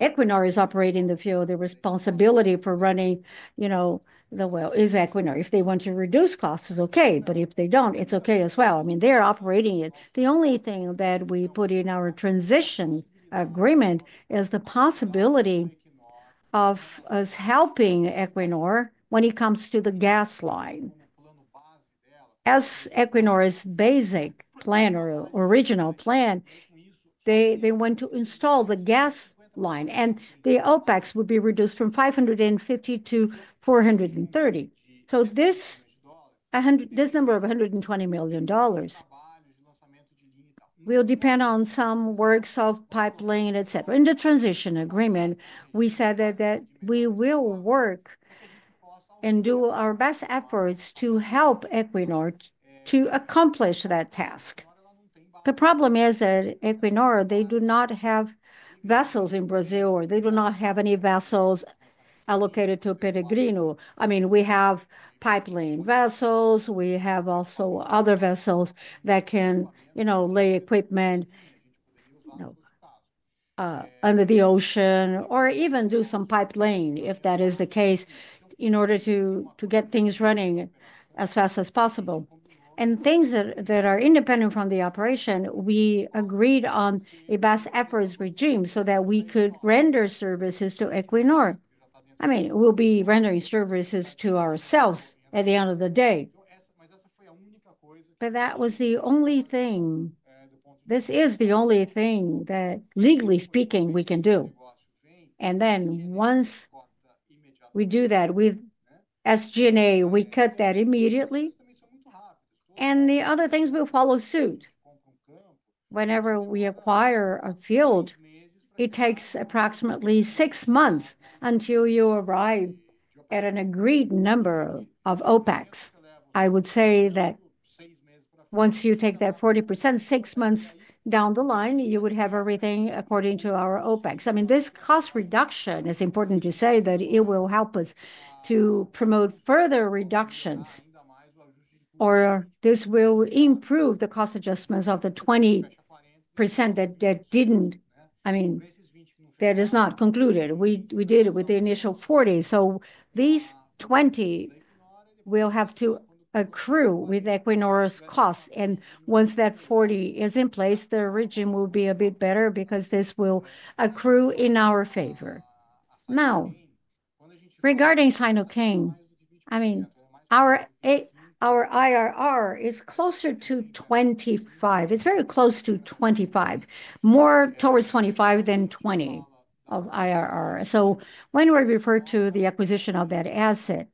Equinor is operating the field. The responsibility for running the well is Equinor. If they want to reduce costs, it's okay, but if they don't, it's okay as well. I mean, they're operating it. The only thing that we put in our transition agreement is the possibility of us helping Equinor when it comes to the gas line. As Equinor's basic plan or original plan, they want to install the gas line, and the OPEX would be reduced from $550 million to $430 million. So this number of $120 million will depend on some works of pipeline, etc. In the transition agreement, we said that we will work and do our best efforts to help Equinor to accomplish that task. The problem is that Equinor, they do not have vessels in Brazil, or they do not have any vessels allocated to Peregrino. I mean, we have pipeline vessels. We have also other vessels that can lay equipment under the ocean or even do some pipeline, if that is the case, in order to get things running as fast as possible. Things that are independent from the operation, we agreed on a best efforts regime so that we could render services to Equinor. I mean, we'll be rendering services to ourselves at the end of the day. That was the only thing. This is the only thing that, legally speaking, we can do. Once we do that with SG&A, we cut that immediately, and the other things will follow suit. Whenever we acquire a field, it takes approximately six months until you arrive at an agreed number of OPEX. I would say that once you take that 40%, six months down the line, you would have everything according to our OPEX. I mean, this cost reduction is important to say that it will help us to promote further reductions, or this will improve the cost adjustments of the 20% that did not, I mean, that is not concluded. We did it with the initial 40. So these 20 will have to accrue with Equinor's costs. Once that 40 is in place, the region will be a bit better because this will accrue in our favor. Now, regarding Sino-King, I mean, our IRR is closer to 25%. It is very close to 25%, more towards 25% than 20% of IRR. When we refer to the acquisition of that asset,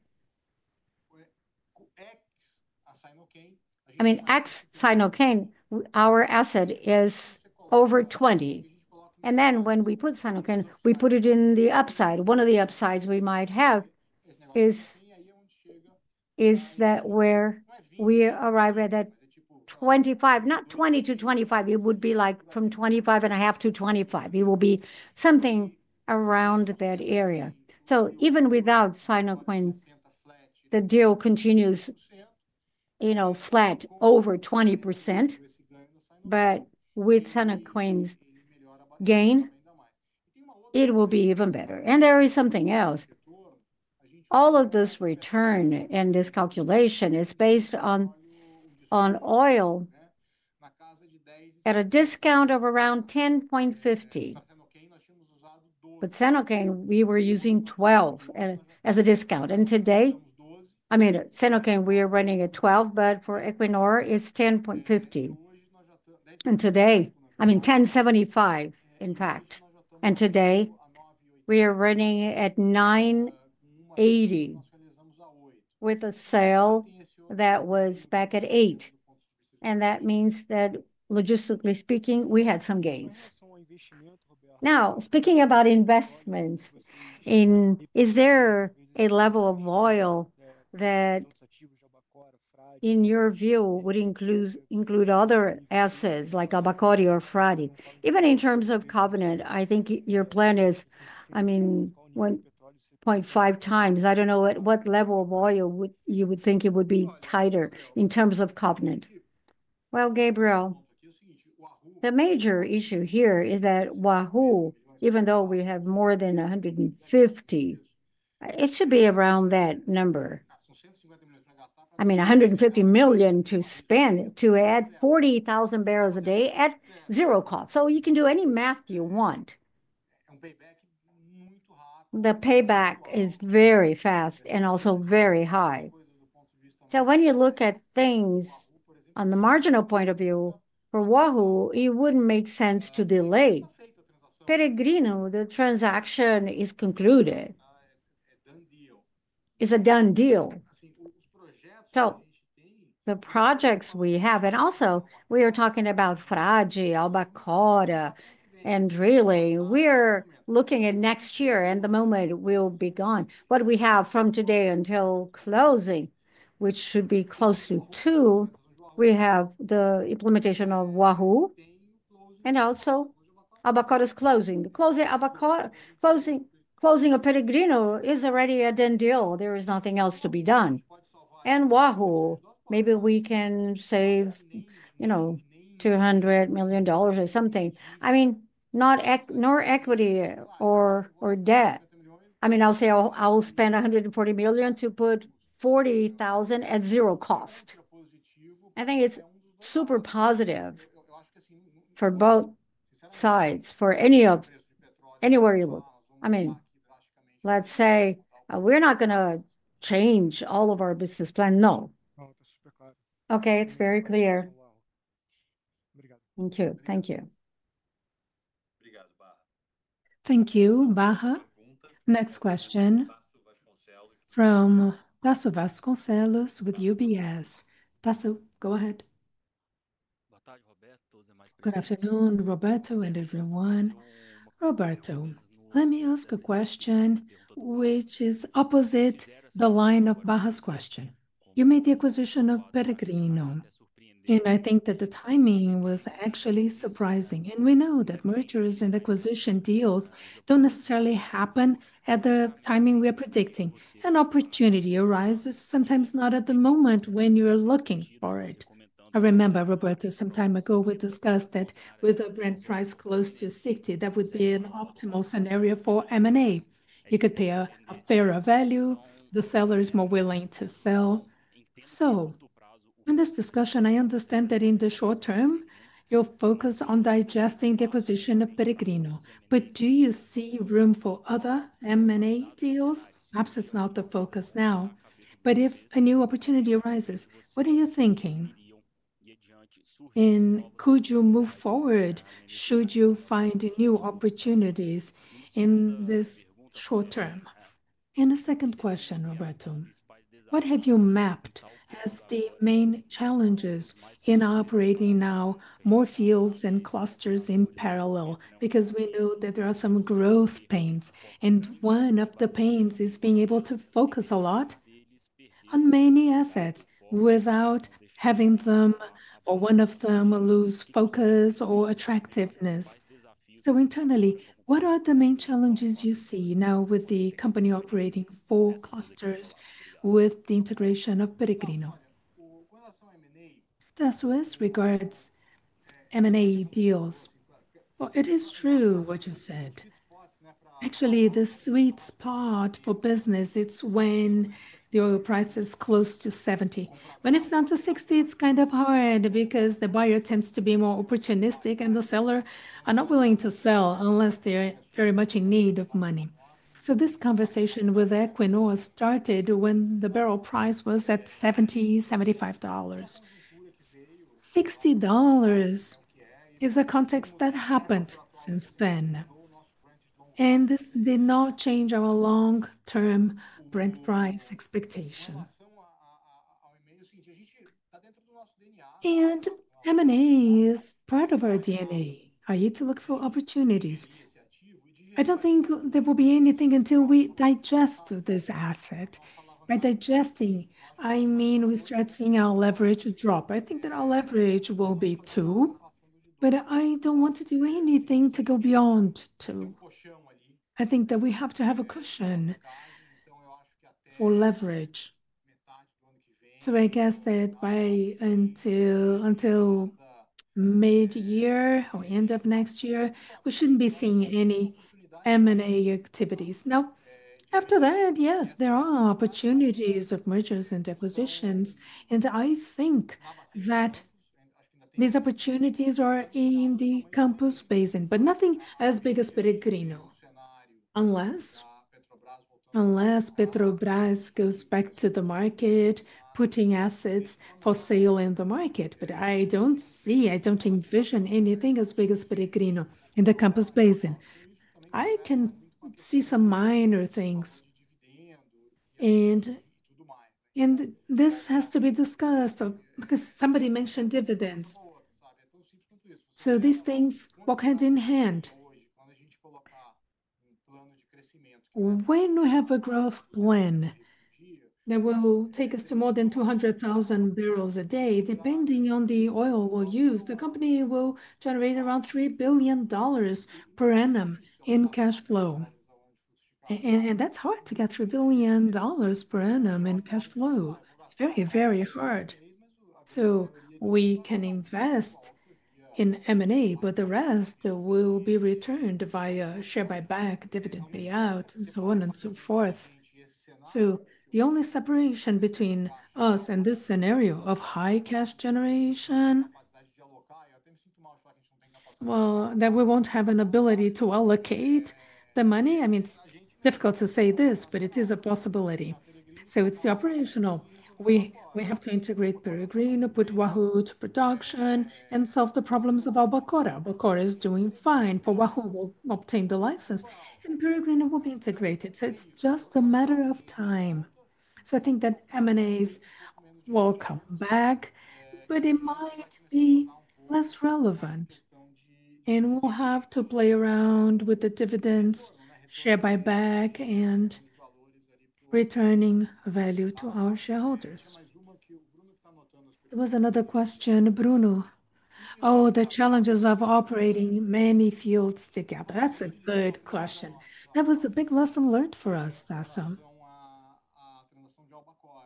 I mean, ex-Sino-King, our asset is over 20%. Then when we put Sino-King, we put it in the upside. One of the upsides we might have is that where we arrive at that 25, not 20-25, it would be like from 25.5-25. It will be something around that area. Even without Sino-King, the deal continues flat over 20%. With Sino-King's gain, it will be even better. There is something else. All of this return in this calculation is based on oil at a discount of around $10.50. Sino-King, we were using $12 as a discount. Today, I mean, Sino-King, we are running at $12, but for Equinor, it is $10.50. Today, I mean, $10.75, in fact. Today, we are running at $9.80 with a sale that was back at $8. That means that, logistically speaking, we had some gains. Now, speaking about investments in, is there a level of oil that, in your view, would include other assets like Albacora Leste or Frade? Even in terms of covenant, I think your plan is, I mean, 1.5 times. I don't know what level of oil you would think it would be tighter in terms of covenant. Gabriel, the major issue here is that Wahoo, even though we have more than 150, it should be around that number. I mean, $150 million to spend to add 40,000 barrels a day at zero cost. You can do any math you want. The payback is very fast and also very high. When you look at things on the marginal point of view for Wahoo, it would not make sense to delay. Peregrino, the transaction is concluded. It is a done deal. The projects we have, and also we are talking about Frade, Albacora, and really, we're looking at next year and the moment we'll be gone. What we have from today until closing, which should be close to two, we have the implementation of Wahoo and also Albacora's closing. Closing at Peregrino is already a done deal. There is nothing else to be done. Wahoo, maybe we can save $200 million or something. I mean, not equity or debt. I mean, I'll say I'll spend $140 million to put 40,000 at zero cost. I think it's super positive for both sides, for anywhere you look. I mean, let's say we're not going to change all of our business plan. No. Okay, it's very clear. Thank you. Thank you. Thank you, Barra. Next question from Tasso Vasconcellos with UBS. Tasso, go ahead. Gratitude, Roberto and everyone. Roberto, let me ask a question which is opposite the line of Barra's question. You made the acquisition of Peregrino, and I think that the timing was actually surprising. We know that mergers and acquisition deals do not necessarily happen at the timing we are predicting. An opportunity arises sometimes not at the moment when you're looking for it. I remember, Roberto, some time ago, we discussed that with a Brent price close to $60, that would be an optimal scenario for M&A. You could pay a fairer value. The seller is more willing to sell. In this discussion, I understand that in the short term, you're focused on digesting the acquisition of Peregrino. Do you see room for other M&A deals? Perhaps it's not the focus now. If a new opportunity arises, what are you thinking? Could you move forward? Should you find new opportunities in this short term? The second question, Roberto, what have you mapped as the main challenges in operating now, more fields and clusters in parallel? Because we know that there are some growth pains, and one of the pains is being able to focus a lot on many assets without having them or one of them lose focus or attractiveness. Internally, what are the main challenges you see now with the company operating four clusters with the integration of Peregrino? Tasso regards M&A deals. It is true what you said. Actually, the sweet spot for business, it's when the oil price is close to $70. When it's down to $60, it's kind of hard because the buyer tends to be more opportunistic, and the seller is not willing to sell unless they're very much in need of money. This conversation with Equinor started when the barrel price was at $70-$75. $60 is a context that happened since then. This did not change our long-term brand price expectation. M&A is part of our DNA. I need to look for opportunities. I don't think there will be anything until we digest this asset. By digesting, I mean we start seeing our leverage drop. I think that our leverage will be two, but I don't want to do anything to go beyond two. I think that we have to have a cushion for leverage. I guess that by until mid-year or end of next year, we shouldn't be seeing any M&A activities. Now, after that, yes, there are opportunities of mergers and acquisitions, and I think that these opportunities are in the Campos Basin, but nothing as big as Peregrino unless Petrobras goes back to the market, putting assets for sale in the market. I do not see, I do not envision anything as big as Peregrino in the Campos Basin. I can see some minor things. This has to be discussed because somebody mentioned dividends. These things will come in hand. When we have a growth plan that will take us to more than 200,000 barrels a day, depending on the oil we will use, the company will generate around $3 billion per annum in cash flow. That is hard to get, $3 billion per annum in cash flow. It is very, very hard. We can invest in M&A, but the rest will be returned via share buyback, dividend payout, and so on and so forth. The only separation between us and this scenario of high cash generation is that we will not have an ability to allocate the money. I mean, it is difficult to say this, but it is a possibility. It is the operational. We have to integrate Peregrino, put Wahoo to production, and solve the problems of Albacora Leste. Albacora Leste is doing fine for Wahoo. We will obtain the license, and Peregrino will be integrated. It is just a matter of time. I think that M&As will come back, but it might be less relevant. We will have to play around with the dividends, share buyback, and returning value to our shareholders. There was another question, Bruno. Oh, the challenges of operating many fields together. That is a good question. That was a big lesson learned for us, Tasso,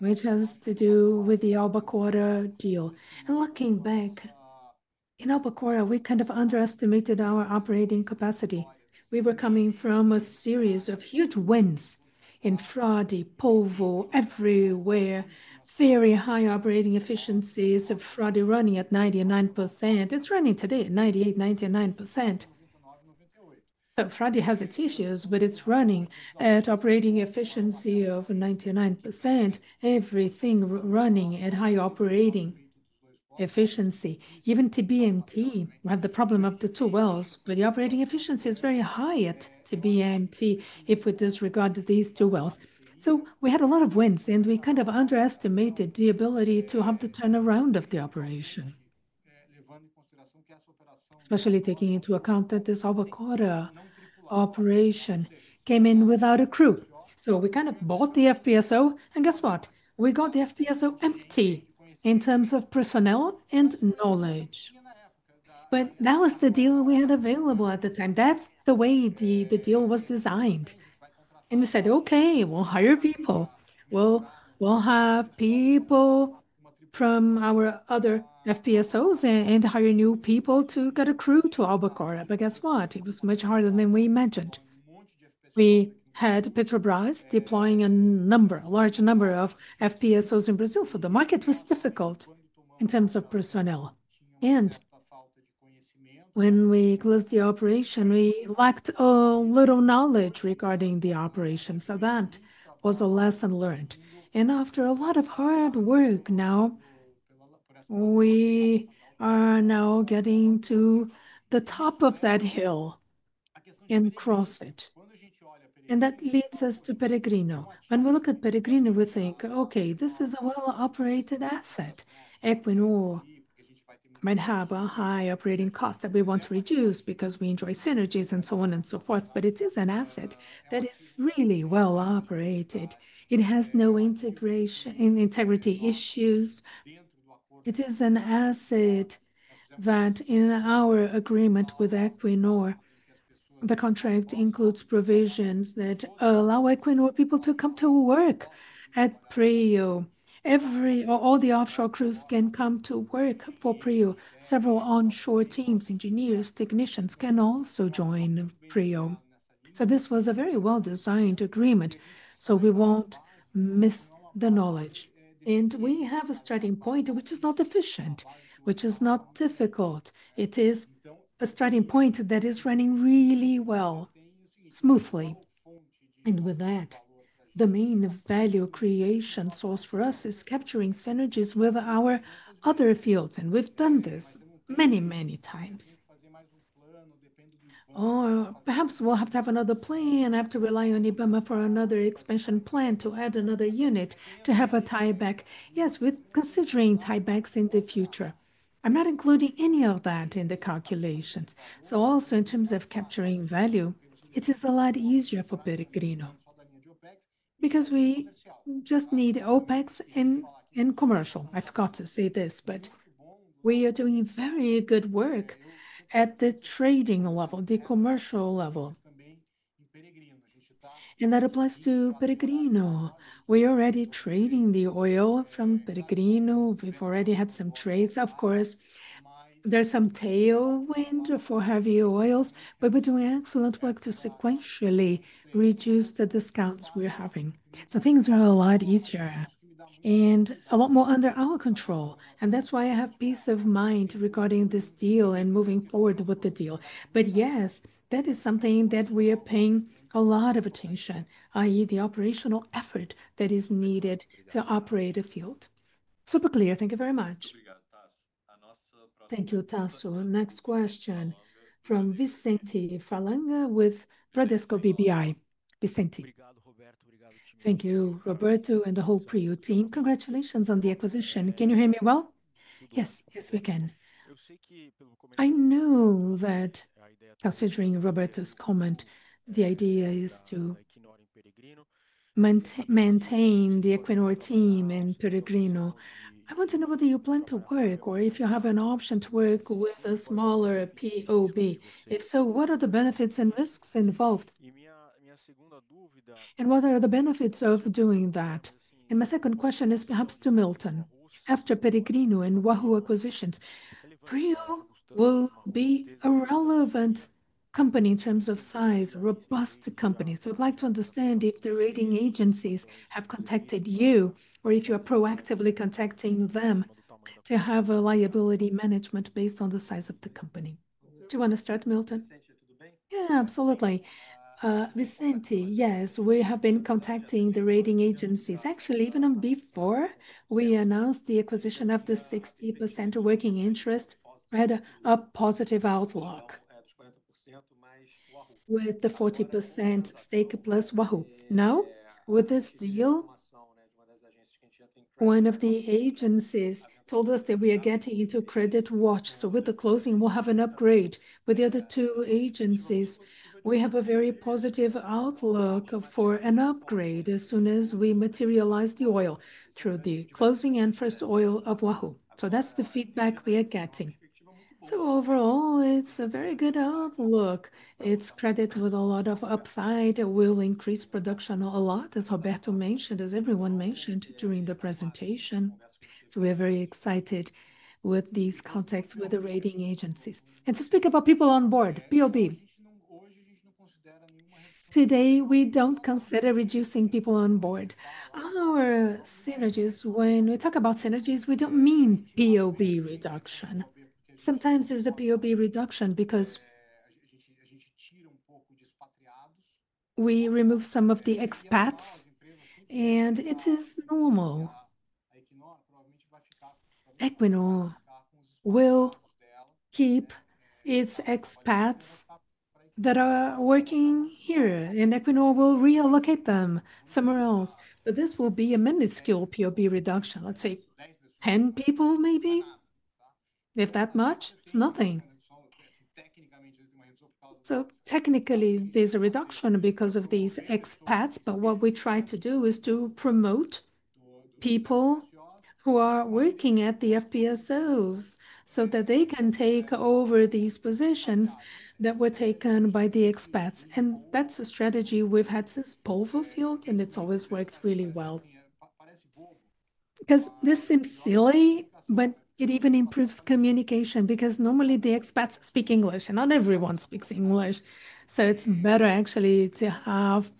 which has to do with the Albacora Leste deal. Looking back, in Albacora Leste, we kind of underestimated our operating capacity. We were coming from a series of huge wins in Frade, Polvo, everywhere, very high operating efficiencies of Frade running at 99%. It is running today at 98%-99%. Frade has its issues, but it is running at operating efficiency of 99%. Everything running at high operating efficiency. Even TBMT, we have the problem of the two wells, but the operating efficiency is very high at TBMT if we disregard these two wells. We had a lot of wins, and we kind of underestimated the ability to have the turnaround of the operation, especially taking into account that this Albacora Leste operation came in without a crew. We kind of bought the FPSO, and guess what? We got the FPSO empty in terms of personnel and knowledge. That was the deal we had available at the time. That is the way the deal was designed. We said, okay, we'll hire people. We'll have people from our other FPSOs and hire new people to get a crew to Albacora. Guess what? It was much harder than we imagined. We had Petrobras deploying a large number of FPSOs in Brazil. The market was difficult in terms of personnel. When we closed the operation, we lacked a little knowledge regarding the operations. That was a lesson learned. After a lot of hard work, now we are getting to the top of that hill and cross it. That leads us to Peregrino. When we look at Peregrino, we think, okay, this is a well-operated asset. Equinor might have a high operating cost that we want to reduce because we enjoy synergies and so on and so forth. It is an asset that is really well-operated. It has no integration integrity issues. It is an asset that in our agreement with Equinor, the contract includes provisions that allow Equinor people to come to work at Prio. Every or all the offshore crews can come to work for Prio. Several onshore teams, engineers, technicians can also join Prio. This was a very well-designed agreement. We will not miss the knowledge. We have a starting point which is not efficient, which is not difficult. It is a starting point that is running really well, smoothly. With that, the main value creation source for us is capturing synergies with our other fields. We have done this many, many times. Perhaps we'll have to have another plan. I have to rely on IBAMA for another expansion plan to add another unit to have a tieback. Yes, we're considering tiebacks in the future. I'm not including any of that in the calculations. Also, in terms of capturing value, it is a lot easier for Peregrino because we just need OPEX and commercial. I forgot to say this, but we are doing very good work at the trading level, the commercial level. That applies to Peregrino. We are already trading the oil from Peregrino. We've already had some trades. Of course, there's some tailwind for heavy oils, but we're doing excellent work to sequentially reduce the discounts we're having. Things are a lot easier and a lot more under our control. That's why I have peace of mind regarding this deal and moving forward with the deal. But yes, that is something that we are paying a lot of attention to, i.e., the operational effort that is needed to operate a field. Super clear. Thank you very much. Thank you, Tasso. Next question from Vicente Falanga with Bradesco BBI. Vicente. Thank you, Roberto, and the whole Prio team. Congratulations on the acquisition. Can you hear me well? Yes, yes, we can. I know that considering Roberto's comment, the idea is to maintain the Equinor team and Peregrino. I want to know whether you plan to work or if you have an option to work with a smaller POB. If so, what are the benefits and risks involved? What are the benefits of doing that? My second question is perhaps to Milton. After Peregrino and Wahoo acquisitions, Prio will be a relevant company in terms of size, a robust company. I'd like to understand if the rating agencies have contacted you or if you are proactively contacting them to have a liability management based on the size of the company. Do you want to start, Milton? Yeah, absolutely. Vicente, yes, we have been contacting the rating agencies. Actually, even before we announced the acquisition of the 60% working interest, we had a positive outlook with the 40% stake plus Wahoo. Now, with this deal, one of the agencies told us that we are getting into credit watch. With the closing, we'll have an upgrade. With the other two agencies, we have a very positive outlook for an upgrade as soon as we materialize the oil through the closing and first oil of Wahoo. That's the feedback we are getting. Overall, it's a very good outlook. It's credit with a lot of upside. It will increase production a lot, as Roberto mentioned, as everyone mentioned during the presentation. We are very excited with these contacts with the rating agencies. To speak about people on board, POB, today we do not consider reducing people on board. Our synergies, when we talk about synergies, we do not mean POB reduction. Sometimes there is a POB reduction because we remove some of the expats, and it is normal. Equinor will keep its expats that are working here, and Equinor will relocate them somewhere else. This will be a minuscule POB reduction, let's say 10 people maybe, if that much. Nothing. Technically, there is a reduction because of these expats, but what we try to do is to promote people who are working at the FPSOs so that they can take over these positions that were taken by the expats. That is a strategy we have had since Polvo Field, and it has always worked really well. Because this seems silly, but it even improves communication because normally the expats speak English, and not everyone speaks English. It is better actually to have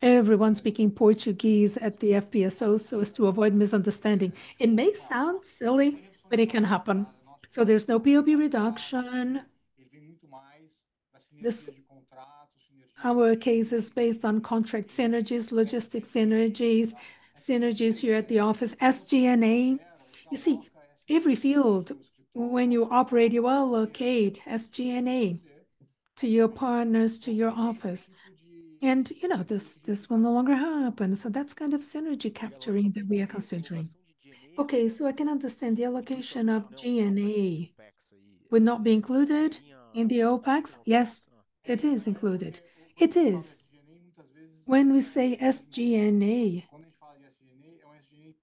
everyone speaking Portuguese at the FPSOs to avoid misunderstanding. It may sound silly, but it can happen. There is no POB reduction. Our case is based on contract synergies, logistics synergies, synergies here at the office, SG&A. You see, every field, when you operate, you allocate SG&A to your partners, to your office. You know, this will no longer happen. That is the kind of synergy capturing that we are considering. Okay, I can understand the allocation of G&A. Would that not be included in the OPEX? Yes, it is included. It is. When we say SG&A,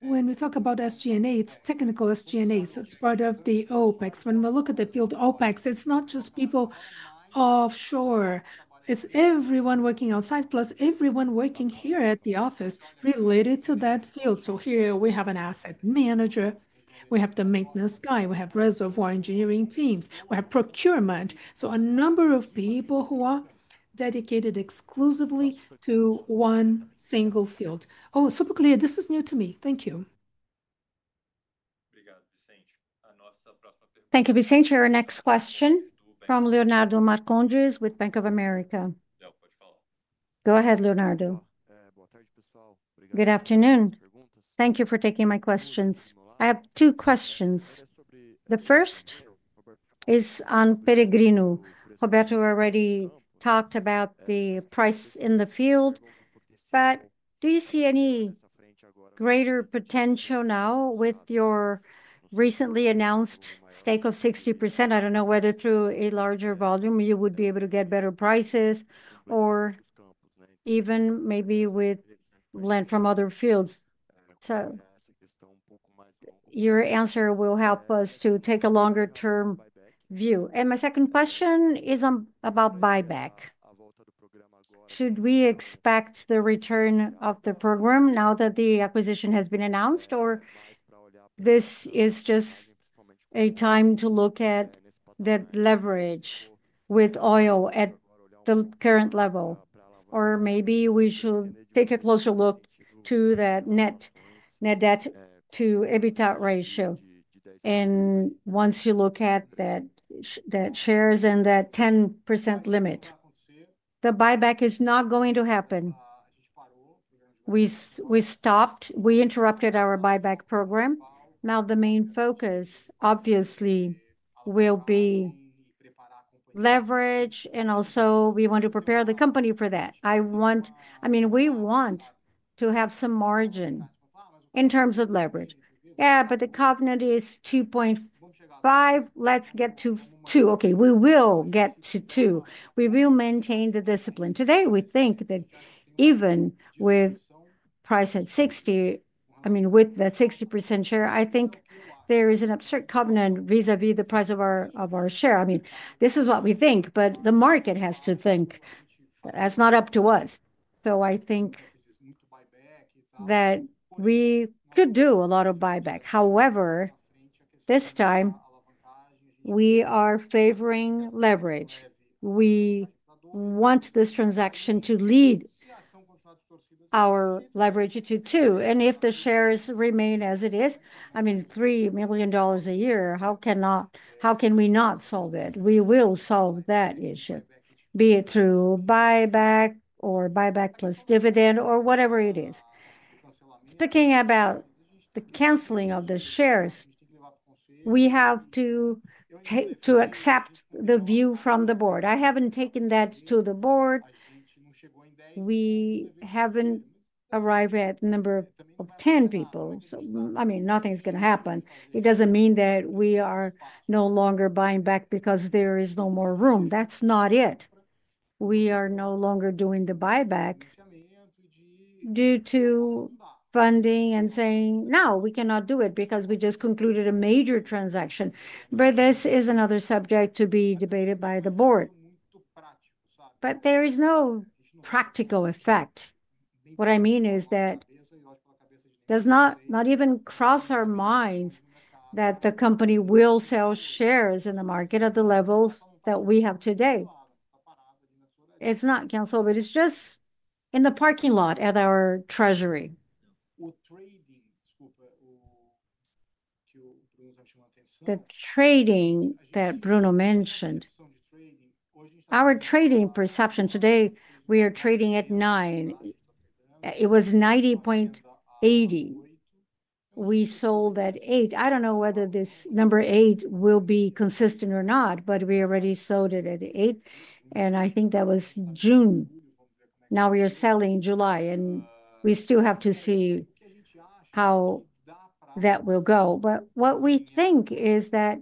when we talk about SG&A, it is technical SG&A. It is part of the OPEX. When we look at the field OPEX, it is not just people offshore. It is everyone working outside plus everyone working here at the office related to that field. Here we have an asset manager. We have the maintenance guy. We have reservoir engineering teams. We have procurement. A number of people are dedicated exclusively to one single field. Oh, super clear. This is new to me. Thank you. Thank you, Vicente. Our next question from Leonardo Marcondes with Bank of America. Go ahead, Leonardo. Good afternoon. Thank you for taking my questions. I have two questions. The first is on Peregrino. Roberto already talked about the price in the field, but do you see any greater potential now with your recently announced stake of 60%? I don't know whether through a larger volume you would be able to get better prices or even maybe with land from other fields. Your answer will help us to take a longer-term view. My second question is about buyback. Should we expect the return of the program now that the acquisition has been announced, or this is just a time to look at that leverage with oil at the current level? Maybe we should take a closer look to that net debt to EBITDA ratio. Once you look at that shares and that 10% limit, the buyback is not going to happen. We stopped, we interrupted our buyback program. Now the main focus obviously will be leverage, and also we want to prepare the company for that. I mean, we want to have some margin in terms of leverage. Yeah, but the covenant is 2.5. Let's get to 2. Okay, we will get to 2. We will maintain the discipline. Today, we think that even with price at 60, I mean, with that 60% share, I think there is an absurd covenant vis-à-vis the price of our share. I mean, this is what we think, but the market has to think. That's not up to us. I think that we could do a lot of buyback. However, this time, we are favoring leverage. We want this transaction to lead our leverage to 2. If the shares remain as it is, I mean, $3 million a year, how can we not solve it? We will solve that issue, be it through buyback or buyback plus dividend or whatever it is. Speaking about the canceling of the shares, we have to accept the view from the board. I haven't taken that to the board. We have not arrived at a number of 10 people. I mean, nothing is going to happen. It does not mean that we are no longer buying back because there is no more room. That is not it. We are no longer doing the buyback due to funding and saying, no, we cannot do it because we just concluded a major transaction. This is another subject to be debated by the board. There is no practical effect. What I mean is that it does not even cross our minds that the company will sell shares in the market at the levels that we have today. It is not canceled, but it is just in the parking lot at our treasury. The trading that Bruno mentioned, our trading perception today, we are trading at $9. It was $90.80. We sold at $8. I don't know whether this number 8 will be consistent or not, but we already sold it at 8. I think that was June. Now we are selling in July, and we still have to see how that will go. What we think is that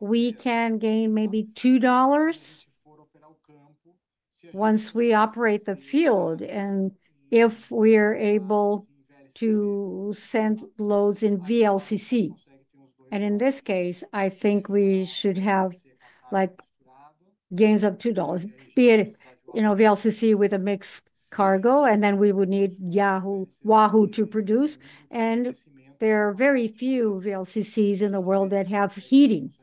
we can gain maybe $2 once we operate the field and if we are able to send loads in VLCC. In this case, I think we should have gains of $2, be it VLCC with a mixed cargo, and then we would need Wahoo to produce. There are very few VLCCs in the world that have heating.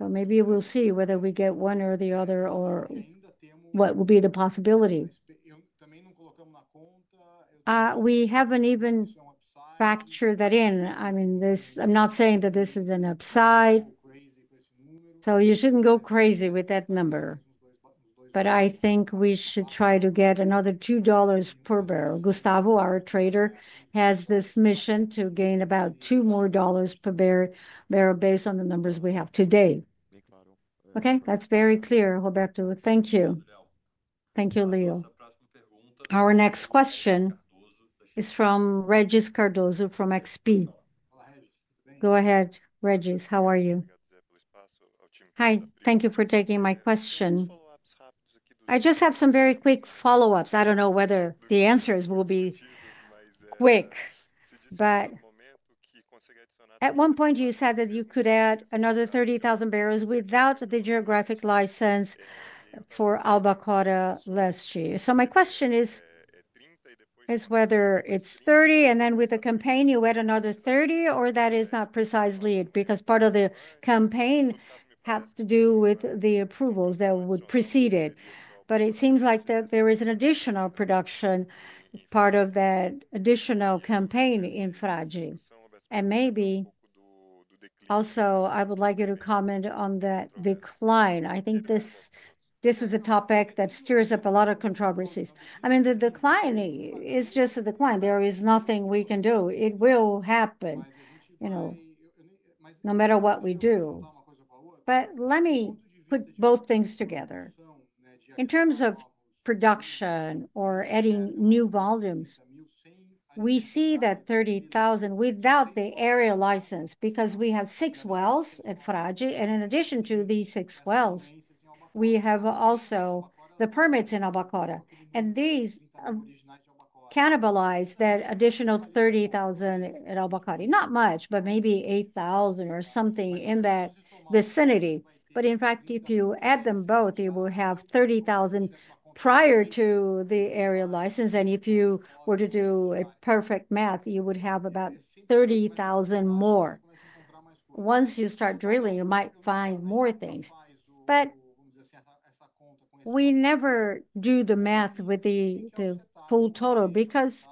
Maybe we'll see whether we get one or the other or what will be the possibility. We haven't even factored that in. I mean, I'm not saying that this is an upside. You shouldn't go crazy with that number. I think we should try to get another $2 per barrel. Gustavo, our trader, has this mission to gain about $2 more per barrel based on the numbers we have today. Okay, that's very clear. Roberto. Thank you. Thank you, Leo. Our next question is from Regis Cardoso from XP. Go ahead, Regis. How are you? Hi, thank you for taking my question. I just have some very quick follow-ups. I don't know whether the answers will be quick, but at one point you said that you could add another 30,000 barrels without the geographic license for Albacora Leste. My question is whether it's 30 and then with the campaign, you add another 30 or that is not precisely it because part of the campaign has to do with the approvals that would precede it. It seems like there is an additional production part of that additional campaign in Frade. I mean, maybe also I would like you to comment on that decline. I think this is a topic that stirs up a lot of controversies. I mean, the decline is just a decline. There is nothing we can do. It will happen, you know, no matter what we do. Let me put both things together. In terms of production or adding new volumes, we see that 30,000 without the area license because we have six wells at Frade. In addition to these six wells, we have also the permits in Albacora. These cannibalize that additional 30,000 at Albacora. Not much, but maybe 8,000 or something in that vicinity. In fact, if you add them both, you will have 30,000 prior to the area license. If you were to do a perfect math, you would have about 30,000 more. Once you start drilling, you might find more things. We never do the math with the full total because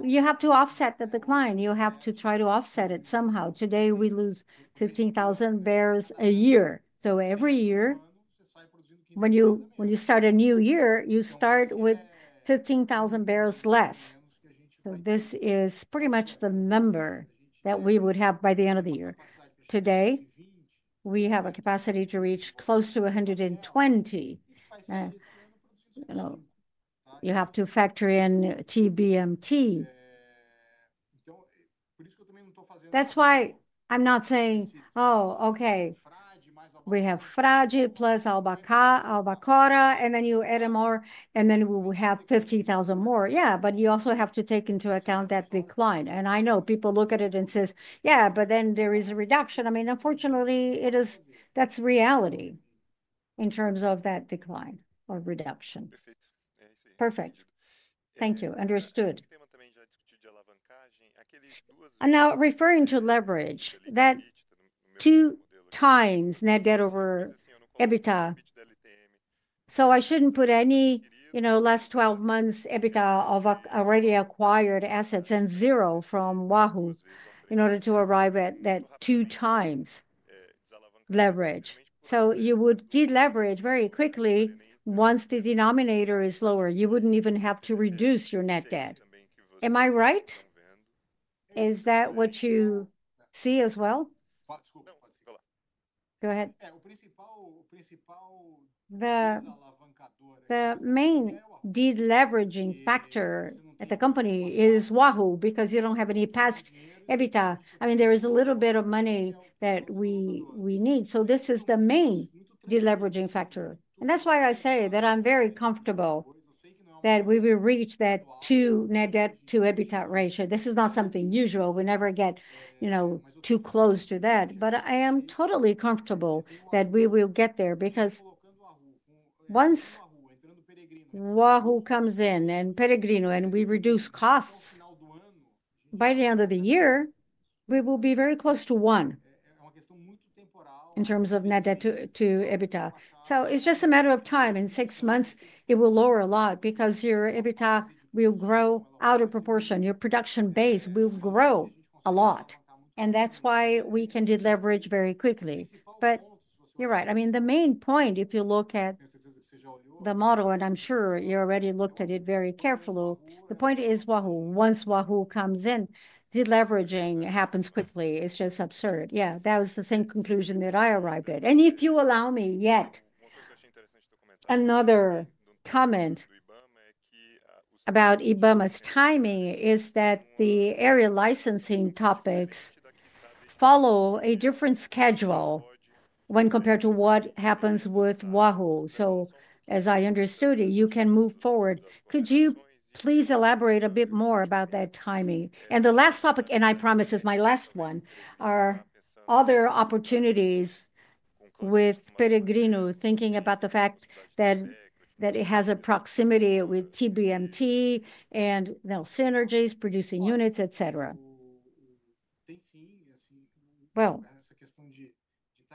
you have to offset the decline. You have to try to offset it somehow. Today, we lose 15,000 barrels a year. Every year, when you start a new year, you start with 15,000 barrels less. This is pretty much the number that we would have by the end of the year. Today, we have a capacity to reach close to 120. You have to factor in TBMT. That is why I am not saying, oh, okay, we have Frade plus Albacora, and then you add more, and then we will have 50,000 more. Yeah, but you also have to take into account that decline. I know people look at it and say, yeah, but then there is a reduction. I mean, unfortunately, that's reality in terms of that decline or reduction. Perfect. Thank you. Understood. Now, referring to leverage, that two times net debt over EBITDA. I shouldn't put any, you know, last 12 months EBITDA of already acquired assets and zero from Wahoo in order to arrive at that two times leverage. You would de-leverage very quickly once the denominator is lower. You wouldn't even have to reduce your net debt. Am I right? Is that what you see as well? Go ahead. The main de-leveraging factor at the company is Wahoo because you don't have any past EBITDA. I mean, there is a little bit of money that we need. This is the main de-leveraging factor. That is why I say that I'm very comfortable that we will reach that two net debt to EBITDA ratio. This is not something usual. We never get, you know, too close to that. I am totally comfortable that we will get there because once Wahoo comes in and Peregrino, and we reduce costs, by the end of the year, we will be very close to one in terms of net debt to EBITDA. It is just a matter of time. In six months, it will lower a lot because your EBITDA will grow out of proportion. Your production base will grow a lot. That is why we can de-leverage very quickly. You are right. I mean, the main point, if you look at the model, and I'm sure you already looked at it very carefully, the point is Wahoo. Once Wahoo comes in, de-leveraging happens quickly. It's just absurd. Yeah, that was the same conclusion that I arrived at. If you allow me yet, another comment about IBAMA's timing is that the area licensing topics follow a different schedule when compared to what happens with Wahoo. As I understood it, you can move forward. Could you please elaborate a bit more about that timing? The last topic, and I promise is my last one, are other opportunities with Peregrino thinking about the fact that it has a proximity with TBMT and synergies, producing units, etc.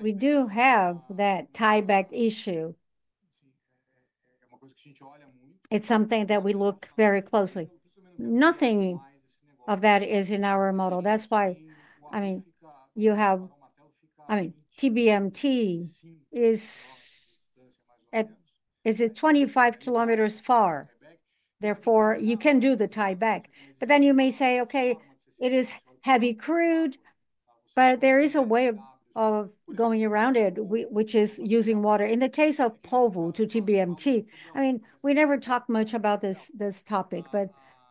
We do have that tieback issue. It's something that we look very closely. Nothing of that is in our model. That's why, I mean, you have, I mean, TBMT is 25 kilometers far. Therefore, you can do the tieback. But then you may say, okay, it is heavy crude, but there is a way of going around it, which is using water. In the case of Polvo to TBMT, I mean, we never talked much about this topic, but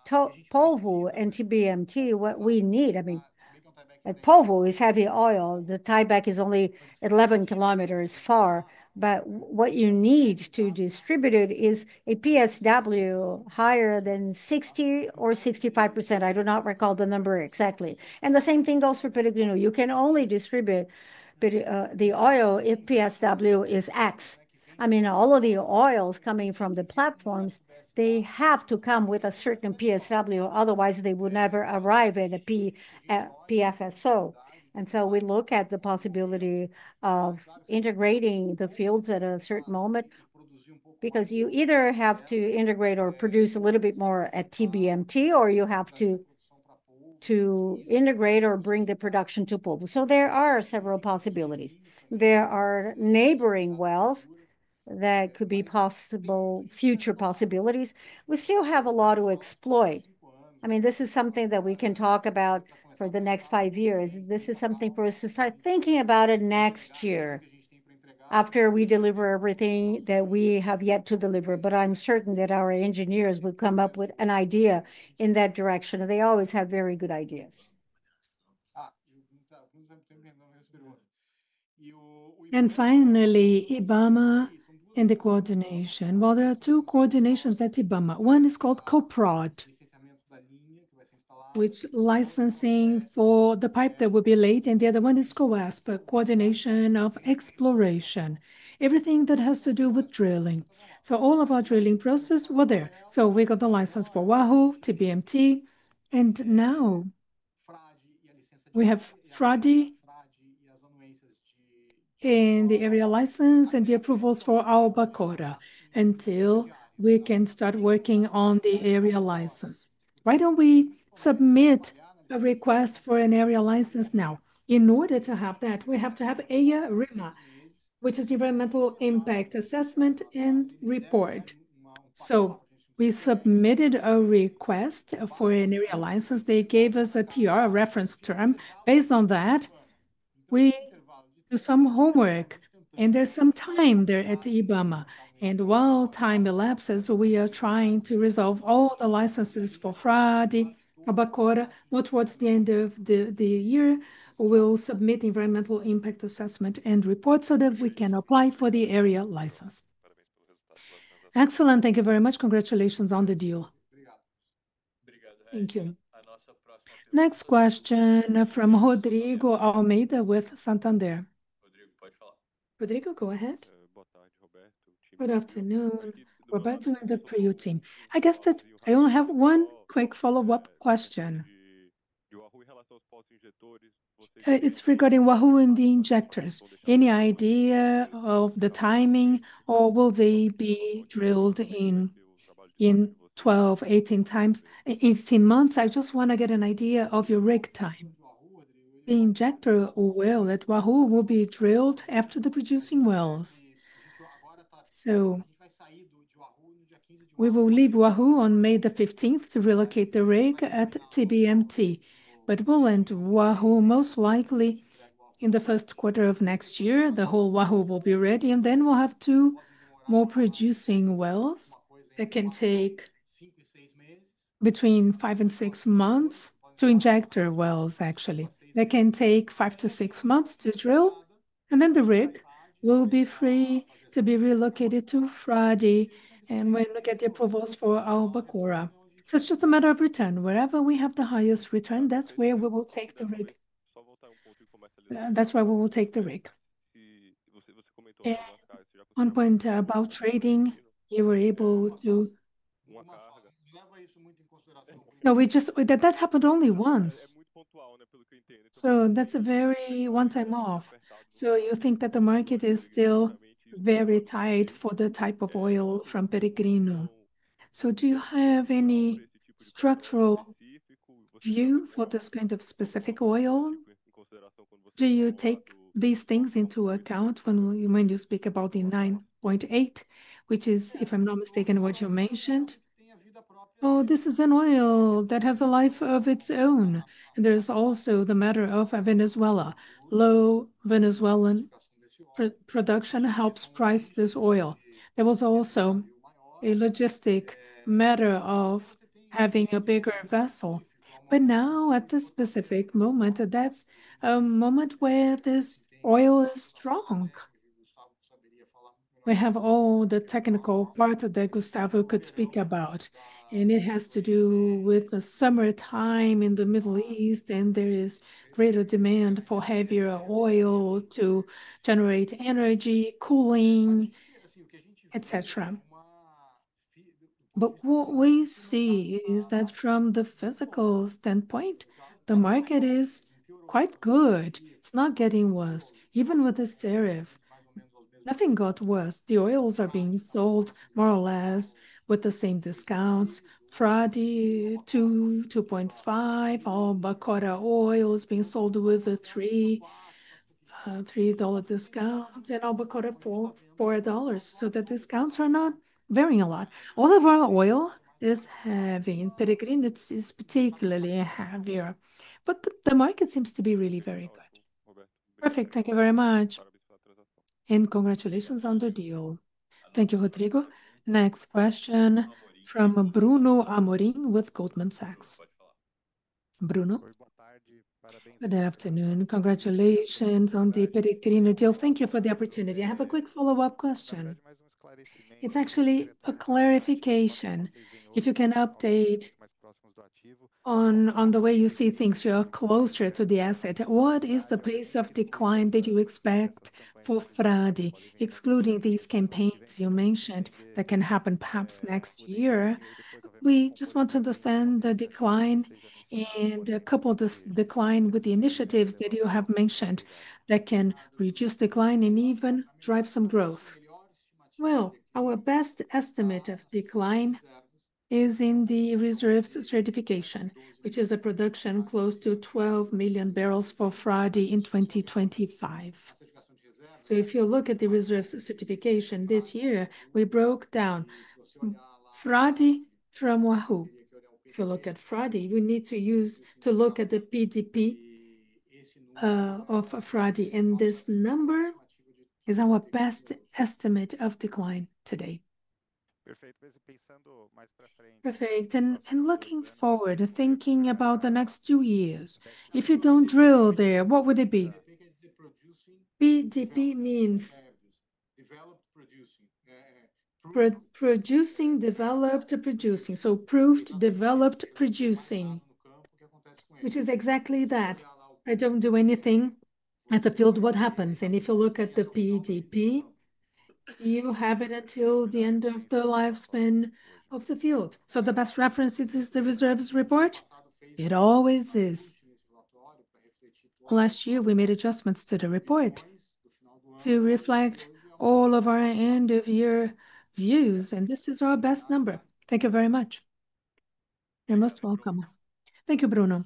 Polvo and TBMT, what we need, I mean, Polvo is heavy oil. The tieback is only 11 km far. But what you need to distribute it is a PSW higher than 60% or 65%. I do not recall the number exactly. The same thing goes for Peregrino. You can only distribute the oil if PSW is X. I mean, all of the oils coming from the platforms, they have to come with a certain PSW. Otherwise, they would never arrive at a FPSO. We look at the possibility of integrating the fields at a certain moment because you either have to integrate or produce a little bit more at TBMT, or you have to integrate or bring the production to Polvo. There are several possibilities. There are neighboring wells that could be possible future possibilities. We still have a lot to exploit. I mean, this is something that we can talk about for the next five years. This is something for us to start thinking about next year after we deliver everything that we have yet to deliver. I'm certain that our engineers will come up with an idea in that direction. They always have very good ideas. Finally, IBAMA and the coordination. There are two coordinations at IBAMA. One is called CoProd, which is licensing for the pipe that will be laid. The other one is CoASP, Coordination of Exploration, everything that has to do with drilling. All of our drilling processes were there. We got the license for Wahoo to BMT. Now we have Frade, and the area license, and the approvals for Albacora Leste until we can start working on the area license. Why do we not submit a request for an area license now? In order to have that, we have to have ARIMA, which is Environmental Impact Assessment and Report. We submitted a request for an area license. They gave us a TR, a reference term. Based on that, we do some homework. There is some time there at IBAMA. While time elapses, we are trying to resolve all the licenses for Frade, Albacora Leste. Towards the end of the year, we'll submit Environmental Impact Assessment and Report so that we can apply for the area license. Excellent. Thank you very much. Congratulations on the deal. Thank you. Next question from Rodrigo Almeida with Santander. Rodrigo, go ahead. Good afternoon. Roberto and the PRIO team. I guess that I only have one quick follow-up question. It's regarding Wahoo and the injectors. Any idea of the timing, or will they be drilled in 12, 18 times, 18 months? I just want to get an idea of your rig time. The injector at Wahoo will be drilled after the producing wells. We will leave Wahoo on May the 15th to relocate the rig at TBMT, but we'll end Wahoo most likely in the first quarter of next year. The whole Wahoo will be ready, and then we'll have two more producing wells that can take between five and six months to injector wells, actually. That can take five to six months to drill, and then the rig will be free to be relocated to Frade, and we look at the approvals for Albacora. It is just a matter of return. Wherever we have the highest return, that's where we will take the rig. That's why we will take the rig. On point about trading, you were able to. No, we just that happened only once. That is a very one-time off. You think that the market is still very tight for the type of oil from Peregrino? Do you have any structural view for this kind of specific oil? Do you take these things into account when you speak about the 9.8, which is, if I'm not mistaken, what you mentioned? This is an oil that has a life of its own. There is also the matter of Venezuela. Low Venezuelan production helps price this oil. There was also a logistic matter of having a bigger vessel. At this specific moment, that's a moment where this oil is strong. We have all the technical part that Gustavo could speak about. It has to do with the summertime in the Middle East, and there is greater demand for heavier oil to generate energy, cooling, etc. What we see is that from the physical standpoint, the market is quite good. It's not getting worse. Even with the serif, nothing got worse. The oils are being sold more or less with the same discounts. Frade, 2, 2.5, Albacora oil is being sold with a $3 discount, and Albacora Leste $4. The discounts are not varying a lot. All of our oil is heavy. Peregrino is particularly heavier. The market seems to be really very good. Perfect. Thank you very much. Congratulations on the deal. Thank you, Rodrigo. Next question from Bruno Amorim with Goldman Sachs. Bruno? Good afternoon. Congratulations on the Peregrino deal. Thank you for the opportunity. I have a quick follow-up question. It is actually a clarification. If you can update on the way you see things, you are closer to the asset. What is the pace of decline that you expect for Frade, excluding these campaigns you mentioned that can happen perhaps next year? We just want to understand the decline and couple this decline with the initiatives that you have mentioned that can reduce decline and even drive some growth. Our best estimate of decline is in the reserves certification, which is a production close to 12 million barrels for Frade in 2025. If you look at the reserves certification this year, we broke down Frade from Wahoo. If you look at Frade, we need to use to look at the PDP of Frade and this number is our best estimate of decline today. Perfect. Looking forward, thinking about the next two years, if you do not drill there, what would it be? PDP means proved, developed, producing, which is exactly that. I do not do anything at the field, what happens? If you look at the PDP, you have it until the end of the lifespan of the field. The best reference is the reserves report? It always is. Last year, we made adjustments to the report to reflect all of our end-of-year views, and this is our best number. Thank you very much. You're most welcome. Thank you, Bruno.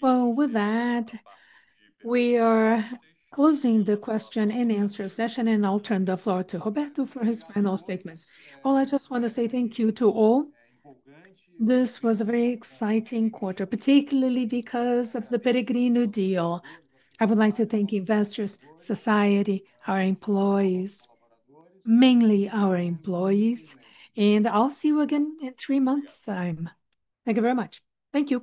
With that, we are closing the question and answer session, and I'll turn the floor to Roberto for his final statements. I just want to say thank you to all. This was a very exciting quarter, particularly because of the Peregrino deal. I would like to thank Investors Society, our employees, mainly our employees, and I'll see you again in three months' time. Thank you very much. Thank you.